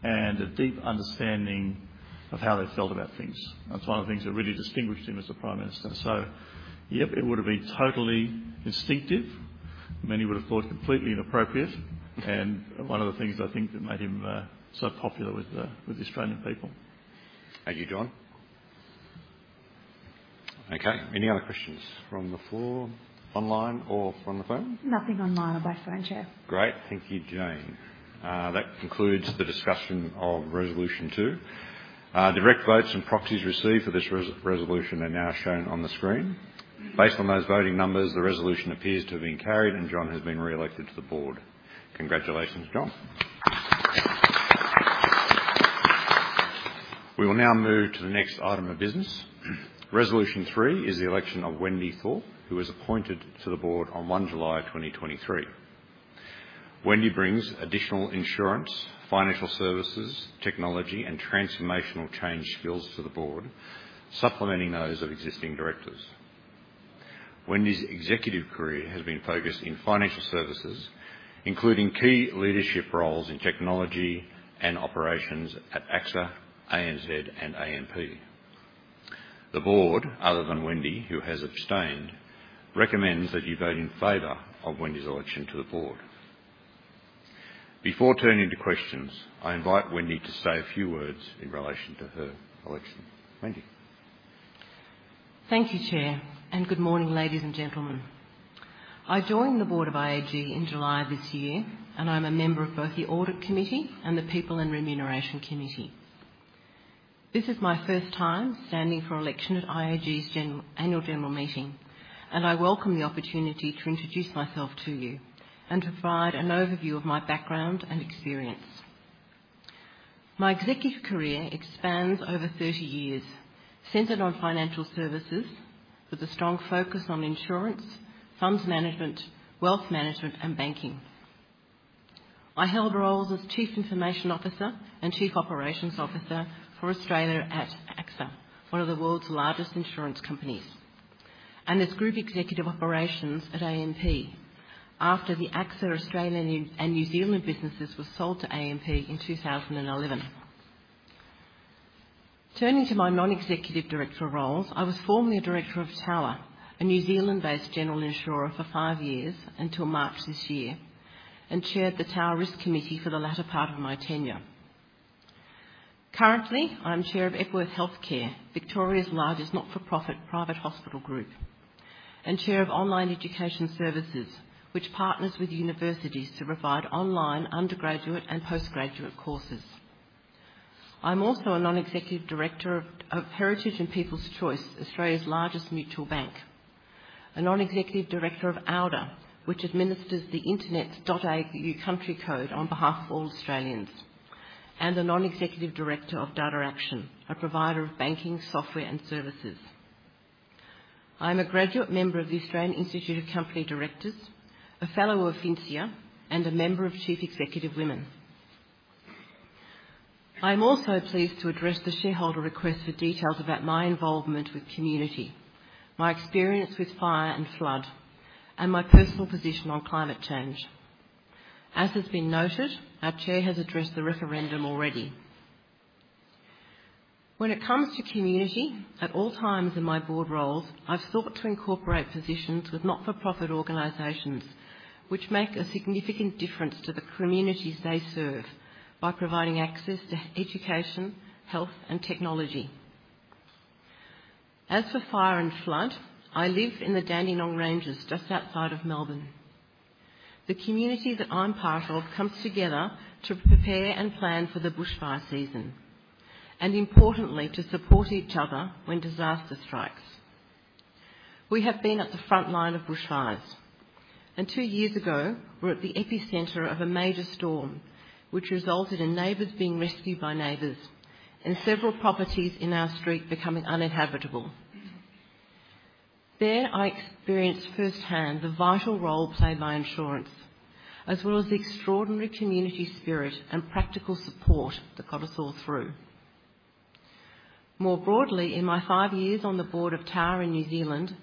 and a deep understanding of how they felt about things. That's one of the things that really distinguished him as a prime minister. So yep, it would have been totally instinctive, many would have thought completely inappropriate, and one of the things I think that made him so popular with the Australian people. Thank you, John. Okay, any other questions from the floor, online or from the phone? Nothing online or by phone, Chair. Great, thank you, Jane. That concludes the discussion of resolution two. Direct votes and proxies received for this resolution are now shown on the screen. Based on those voting numbers, the resolution appears to have been carried, and John has been reelected to the board. Congratulations, John. We will now move to the next item of business. Resolution three is the election of Wendy Thorpe, who was appointed to the board on 1 July 2023. Wendy brings additional insurance, financial services, technology, and transformational change skills to the board, supplementing those of existing directors. Wendy's executive career has been focused in financial services, including key leadership roles in technology and operations at AXA, ANZ, and AMP. The board, other than Wendy, who has abstained, recommends that you vote in favor of Wendy's election to the board. Before turning to questions, I invite Wendy to say a few words in relation to her election. Wendy. Thank you, Chair, and good morning, ladies and gentlemen. I joined the board of IAG in July this year, and I'm a member of both the Audit Committee and the People and Remuneration Committee. This is my first time standing for election at IAG's Annual General Meeting, and I welcome the opportunity to introduce myself to you and to provide an overview of my background and experience. My executive career expands over 30 years, centered on financial services, with a strong focus on insurance, funds management, wealth management, and banking. I held roles as Chief Information Officer and Chief Operations Officer for Australia at AXA, one of the world's largest insurance companies, and as Group Executive Operations at AMP, after the AXA Australian and New Zealand businesses were sold to AMP in 2011. Turning to my non-executive director roles, I was formerly a director of Tower, a New Zealand-based general insurer, for five years until March this year, and chaired the Tower Risk Committee for the latter part of my tenure. Currently, I'm chair of Epworth Healthcare, Victoria's largest not-for-profit private hospital group, and chair of Online Education Services, which partners with universities to provide online undergraduate and postgraduate courses. I'm also a non-executive director of Heritage and People's Choice, Australia's largest mutual bank, a non-executive director of auDA, which administers the internet's .au country code on behalf of all Australians, and a non-executive director of Data Action, a provider of banking, software, and services. I'm a graduate member of the Australian Institute of Company Directors, a fellow of FINSIA, and a member of Chief Executive Women. I'm also pleased to address the shareholder request for details about my involvement with community, my experience with fire and flood, and my personal position on climate change. As has been noted, our chair has addressed the referendum already. When it comes to community, at all times in my board roles, I've sought to incorporate positions with not-for-profit organizations, which make a significant difference to the communities they serve by providing access to education, health, and technology. As for fire and flood, I live in the Dandenong Ranges, just outside of Melbourne... the community that I'm part of comes together to prepare and plan for the bushfire season, and importantly, to support each other when disaster strikes. We have been at the frontline of bushfires, and two years ago, we were at the epicenter of a major storm which resulted in neighbors being rescued by neighbors, and several properties in our street becoming uninhabitable. There, I experienced firsthand the vital role played by insurance, as well as the extraordinary community spirit and practical support that got us all through. More broadly, in my five years on the board of Tower in New Zealand,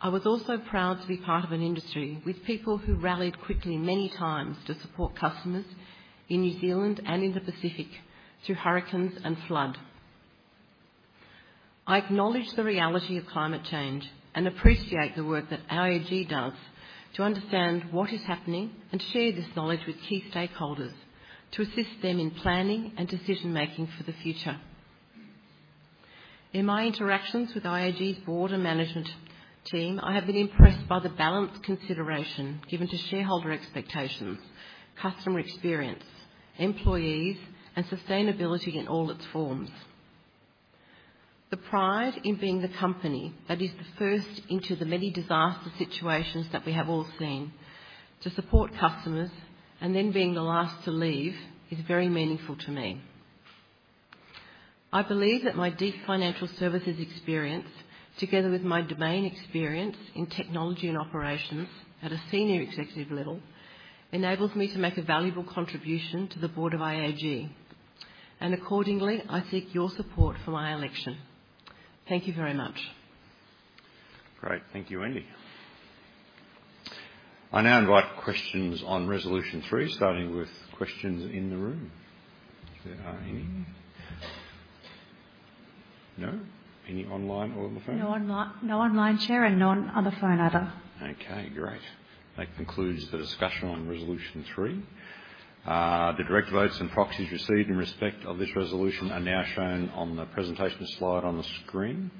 I was also proud to be part of an industry with people who rallied quickly many times to support customers in New Zealand and in the Pacific through hurricanes and flood. I acknowledge the reality of climate change and appreciate the work that IAG does to understand what is happening, and share this knowledge with key stakeholders to assist them in planning and decision-making for the future. In my interactions with IAG's board and management team, I have been impressed by the balanced consideration given to shareholder expectations, customer experience, employees, and sustainability in all its forms. The pride in being the company that is the first into the many disaster situations that we have all seen to support customers, and then being the last to leave, is very meaningful to me. I believe that my deep financial services experience, together with my domain experience in technology and operations at a senior executive level, enables me to make a valuable contribution to the board of IAG, and accordingly, I seek your support for my election. Thank you very much. Great. Thank you, Wendy. I now invite questions on resolution three, starting with questions in the room, if there are any. No? Any online or on the phone? No online, no online, Chair, and none on the phone either. Okay, great. That concludes the discussion on resolution three. The direct votes and proxies received in respect of this resolution are now shown on the presentation slide on the screen.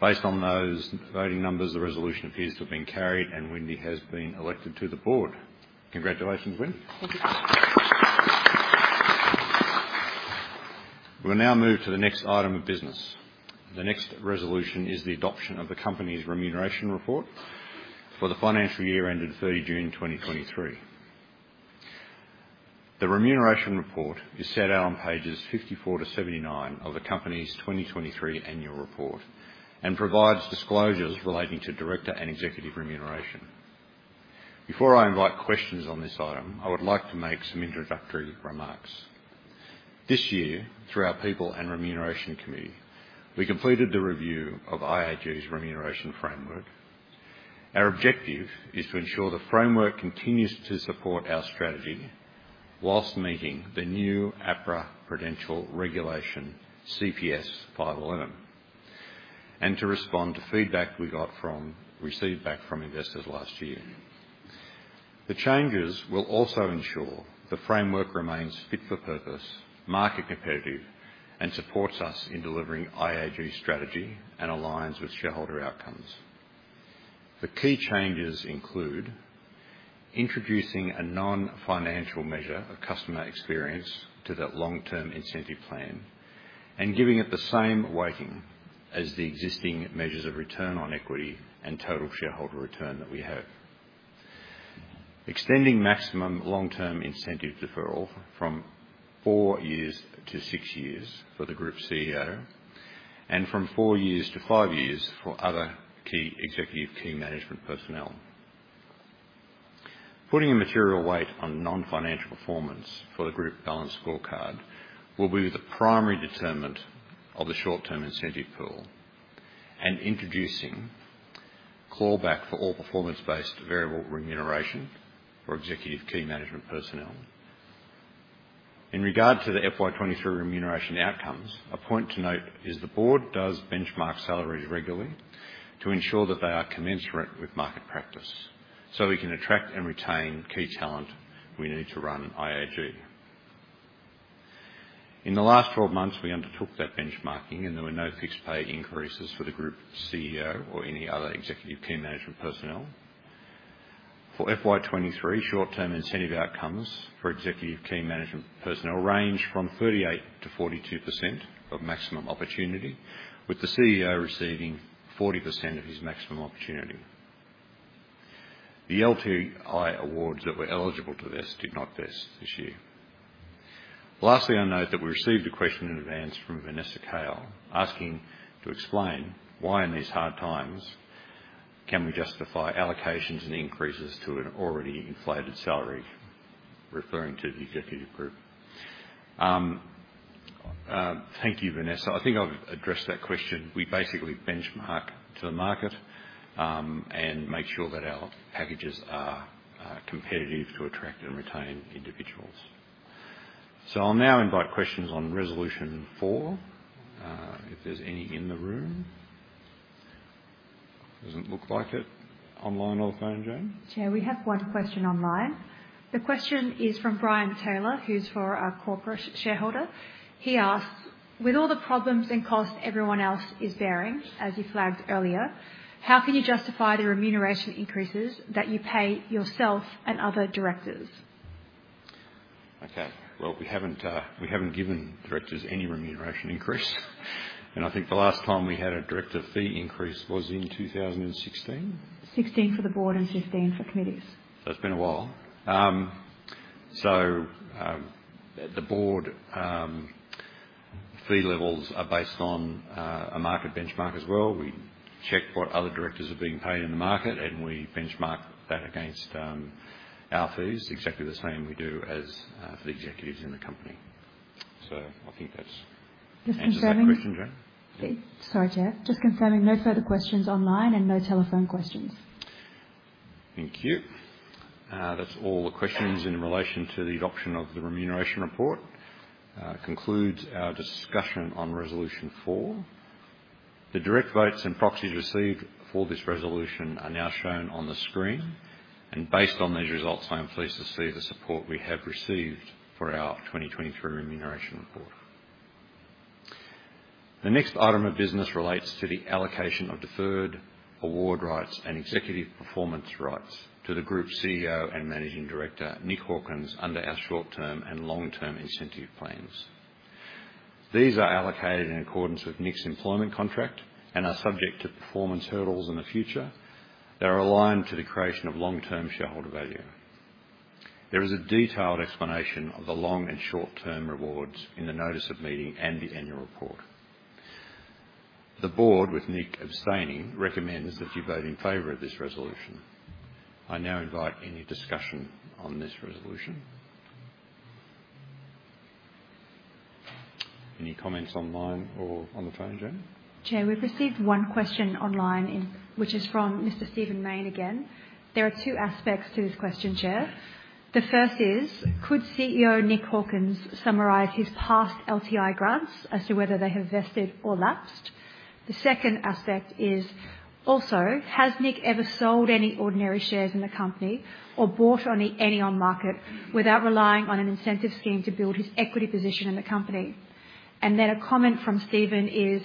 Based on those voting numbers, the resolution appears to have been carried, and Wendy has been elected to the board. Congratulations, Wendy. Thank you. We'll now move to the next item of business. The next resolution is the adoption of the company's remuneration report for the financial year ended 30 June 2023. The remuneration report is set out on pages 54 to 79 of the company's 2023 annual report, and provides disclosures relating to director and executive remuneration. Before I invite questions on this item, I would like to make some introductory remarks. This year, through our People and Remuneration Committee, we completed the review of IAG's remuneration framework. Our objective is to ensure the framework continues to support our strategy while meeting the new APRA Prudential Regulation CPS 511, and to respond to feedback we received back from investors last year. The changes will also ensure the framework remains fit for purpose, market competitive, and supports us in delivering IAG's strategy and aligns with shareholder outcomes. The key changes include: introducing a non-financial measure of customer experience to that long-term incentive plan, and giving it the same weighting as the existing measures of return on equity and total shareholder return that we have. Extending maximum long-term incentive deferral from four years to six years for the Group CEO, and from four years to five years for other key executive, key management personnel. Putting a material weight on non-financial performance for the group balanced scorecard will be the primary determinant of the short-term incentive pool, and introducing clawback for all performance-based variable remuneration for executive key management personnel. In regard to the FY 2023 remuneration outcomes, a point to note is the board does benchmark salaries regularly to ensure that they are commensurate with market practice, so we can attract and retain key talent we need to run IAG. In the last 12 months, we undertook that benchmarking and there were no fixed pay increases for the Group CEO or any other executive key management personnel. For FY 2023, short-term incentive outcomes for executive key management personnel ranged from 38% to 42% of maximum opportunity, with the CEO receiving 40% of his maximum opportunity. The LTI awards that were eligible to vest did not vest this year. Lastly, I note that we received a question in advance from Vanessa Cale, asking to explain why, in these hard times, can we justify allocations and increases to an already inflated salary, referring to the executive group. Thank you, Vanessa. I think I've addressed that question. We basically benchmark to the market and make sure that our packages are competitive to attract and retain individuals. So I'll now invite questions on resolution four, if there's any in the room. Doesn't look like it. Online or phone, Jane? Chair, we have one question online. The question is from Brian Taylor, who's for our corporate shareholder. He asks: With all the problems and costs everyone else is bearing, as you flagged earlier, how can you justify the remuneration increases that you pay yourself and other directors? Okay. Well, we haven't given directors any remuneration increase. And I think the last time we had a director fee increase was in 2016? 2016 for the board and 15 for committees. So it's been a while. The board fee levels are based on a market benchmark as well. We check what other directors are being paid in the market, and we benchmark that against our fees, exactly the same we do as for the executives in the company. So I think that's... Just confirming. Answers that question, Jane? Sorry, Chair. Just confirming, no further questions online and no telephone questions. Thank you. That's all the questions in relation to the adoption of the remuneration report. Concludes our discussion on resolution four. The direct votes and proxies received for this resolution are now shown on the screen, and based on these results, I am pleased to see the support we have received for our 2023 remuneration report. The next item of business relates to the allocation of deferred award rights and executive performance rights to the Group CEO and Managing Director, Nick Hawkins, under our short-term and long-term incentive plans. These are allocated in accordance with Nick's employment contract and are subject to performance hurdles in the future that are aligned to the creation of long-term shareholder value. There is a detailed explanation of the long- and short-term rewards in the notice of meeting and the annual report. The board, with Nick abstaining, recommends that you vote in favor of this resolution. I now invite any discussion on this resolution. Any comments online or on the phone, Jane? Chair, we've received one question online which is from Mr. Stephen Mayne again. There are two aspects to this question, Chair. The first is: Could CEO Nick Hawkins summarize his past LTI grants as to whether they have vested or lapsed? The second aspect is: Also, has Nick ever sold any ordinary shares in the company or bought any on market without relying on an incentive scheme to build his equity position in the company? And then a comment from Stephen is: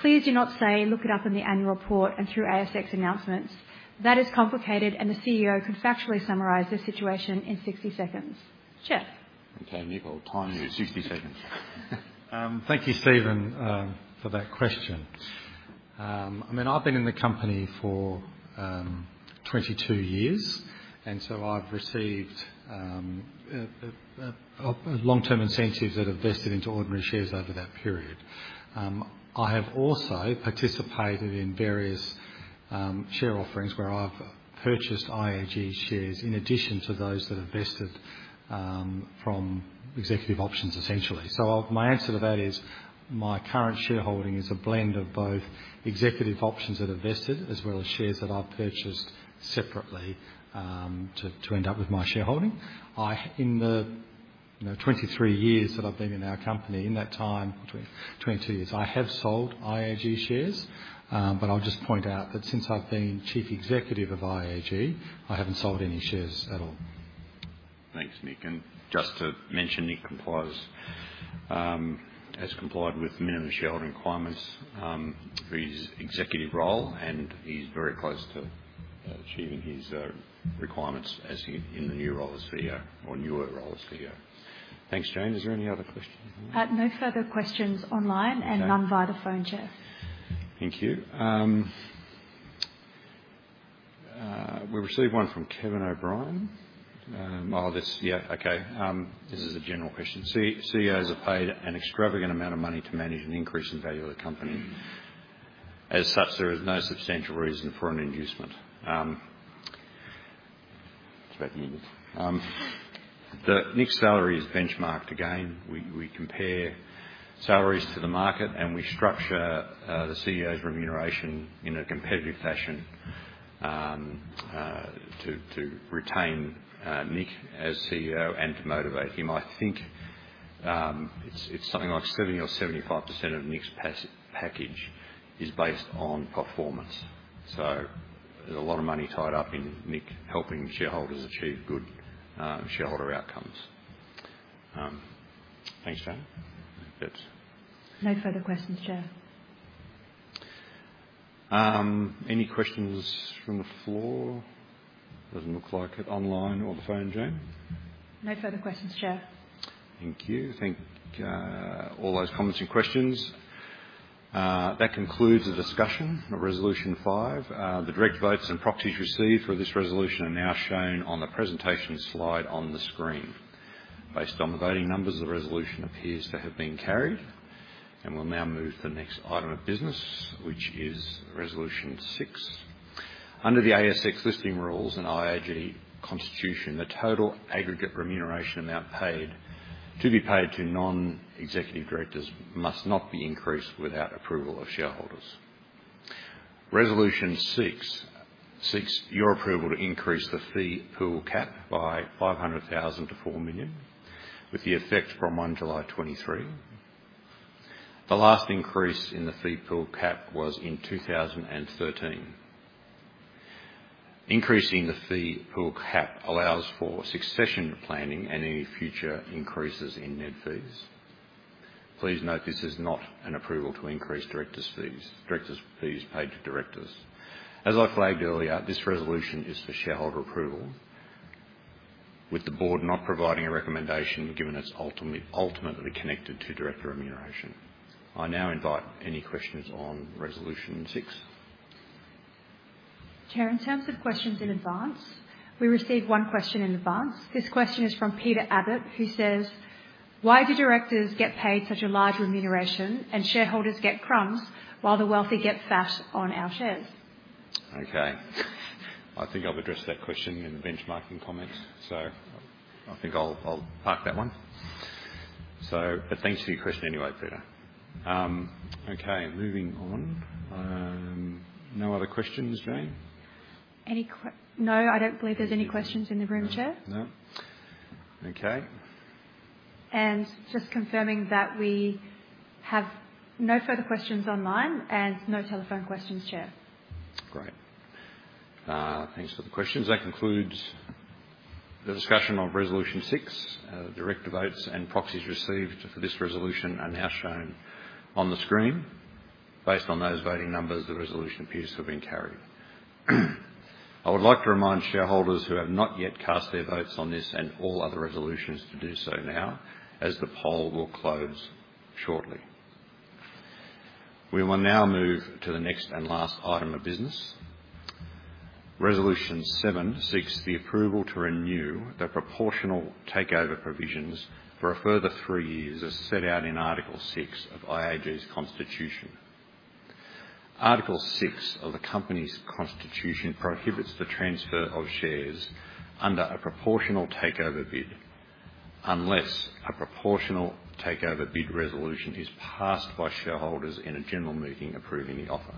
Please do not say, "Look it up in the annual report and through ASX announcements." That is complicated, and the CEO could factually summarize the situation in 60 seconds. Chair. Okay, Nick, I'll time you 60 seconds. Thank you, Steven, for that question. I mean, I've been in the company for 22 years, and so I've received long-term incentives that have vested into ordinary shares over that period. I have also participated in various share offerings where I've purchased IAG shares in addition to those that have vested from executive options, essentially. So, my answer to that is, my current shareholding is a blend of both executive options that are vested, as well as shares that I've purchased separately to end up with my shareholding. In the, you know, 23 years that I've been in our company, in that time, 22 years, I have sold IAG shares. But I'll just point out that since I've been Chief Executive of IAG, I haven't sold any shares at all. Thanks, Nick. And just to mention, Nick complies, has complied with minimum shareholding requirements for his executive role, and he's very close to achieving his requirements in the new role as CEO, or newer role as CEO. Thanks, Jane. Is there any other questions online? No further questions online... Okay. and none via the phone, Chair. Thank you. We received one from Kevin O'Brien. This is a general question. CEOs are paid an extravagant amount of money to manage an increase in value of the company. As such, there is no substantial reason for an inducement. It's about Nick. The, Nick's salary is benchmarked again. We, we compare salaries to the market, and we structure the CEO's remuneration in a competitive fashion, to retain Nick as CEO and to motivate him. I think, it's something like 70 or 75% of Nick's package is based on performance. So there's a lot of money tied up in Nick, helping shareholders achieve good, shareholder outcomes. Thanks, Jane. That's... No further questions, Chair. Any questions from the floor? Doesn't look like it online or the phone, Jane. No further questions, Chair. Thank you. Thank all those comments and questions. That concludes the discussion of resolution five. The direct votes and proxies received for this resolution are now shown on the presentation slide on the screen. Based on the voting numbers, the resolution appears to have been carried. We'll now move to the next item of business, which is resolution six. Under the ASX listing rules and IAG constitution, the total aggregate remuneration amount paid to be paid to non-executive directors must not be increased without approval of shareholders. Resolution six seeks your approval to increase the fee pool cap by 500,000 to 4 million, with the effect from 1 July 2023. The last increase in the fee pool cap was in 2013. Increasing the fee pool cap allows for succession planning and any future increases in net fees. Please note, this is not an approval to increase directors' fees, directors' fees paid to directors. As I flagged earlier, this resolution is for shareholder approval, with the board not providing a recommendation, given it's ultimately connected to director remuneration. I now invite any questions on resolution six. Chair, in terms of questions in advance, we received one question in advance. This question is from Peter Abbott, who says: "Why do directors get paid such a large remuneration and shareholders get crumbs, while the wealthy get fat on our shares? Okay. I think I've addressed that question in the benchmarking comments, so I think I'll, I'll park that one. So, but thanks for your question anyway, Peter. Okay, moving on. No other questions, Jane? No, I don't believe there's any questions in the room, Chair. No. Okay. Just confirming that we have no further questions online and no telephone questions, Chair. Great. Thanks for the questions. That concludes the discussion on resolution six. Director votes and proxies received for this resolution are now shown on the screen. Based on those voting numbers, the resolution appears to have been carried. I would like to remind shareholders who have not yet cast their votes on this and all other resolutions, to do so now, as the poll will close shortly. We will now move to the next and last item of business. Resolution seven seeks the approval to renew the proportional takeover provisions for a further three years, as set out in Article Six of IAG's Constitution. Article Six of the Company's Constitution prohibits the transfer of shares under a proportional takeover bid, unless a proportional takeover bid resolution is passed by shareholders in a general meeting approving the offer.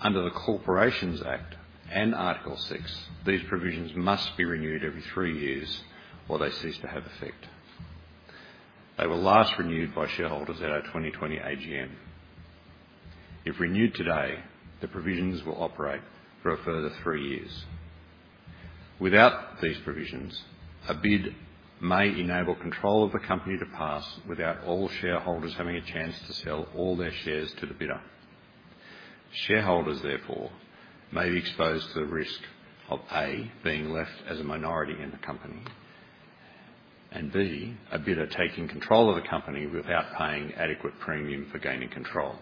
Under the Corporations Act and Article Six, these provisions must be renewed every three years, or they cease to have effect. They were last renewed by shareholders at our 2020 AGM. If renewed today, the provisions will operate for a further three years. Without these provisions, a bid may enable control of the company to pass without all shareholders having a chance to sell all their shares to the bidder. Shareholders, therefore, may be exposed to the risk of, A, being left as a minority in the company, and B, a bidder taking control of the company without paying adequate premium for gaining control.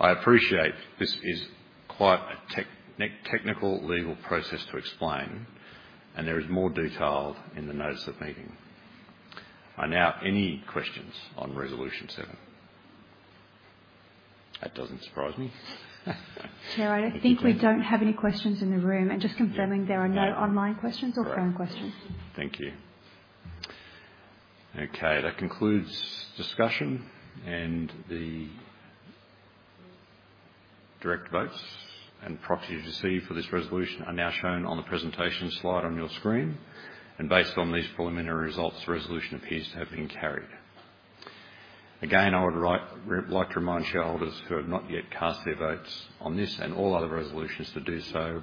I appreciate this is quite a technical legal process to explain, and there is more detail in the notice of meeting. Are there now any questions on resolution seven? That doesn't surprise me. Chair, I think we don't have any questions in the room, and just confirming there are no online questions or phone questions. Thank you. Okay, that concludes discussion, and the director votes and proxies received for this resolution are now shown on the presentation slide on your screen, and based on these preliminary results, the resolution appears to have been carried. Again, I would like, like to remind shareholders who have not yet cast their votes on this and all other resolutions, to do so,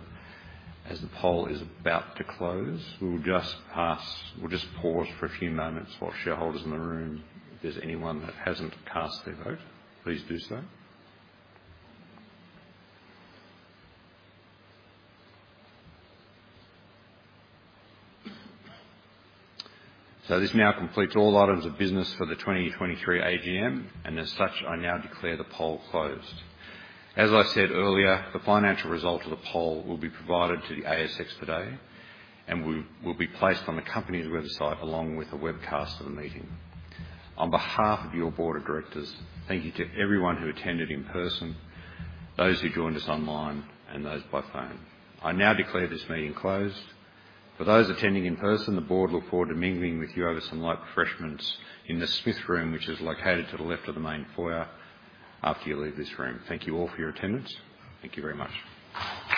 as the poll is about to close. We'll just pause for a few moments while shareholders in the room, if there's anyone that hasn't cast their vote, please do so. So this now completes all items of business for the 2023 AGM, and as such, I now declare the poll closed. As I said earlier, the financial result of the poll will be provided to the ASX today, and will be placed on the company website, along with the webcast of the meeting. On behalf of your board of directors, thank you to everyone who attended in person, those who joined us online, and those by phone. I now declare this meeting closed. For those attending in person, the board look forward to mingling with you over some light refreshments in the Smith Room, which is located to the left of the main foyer, after you leave this room. Thank you all for your attendance. Thank you very much.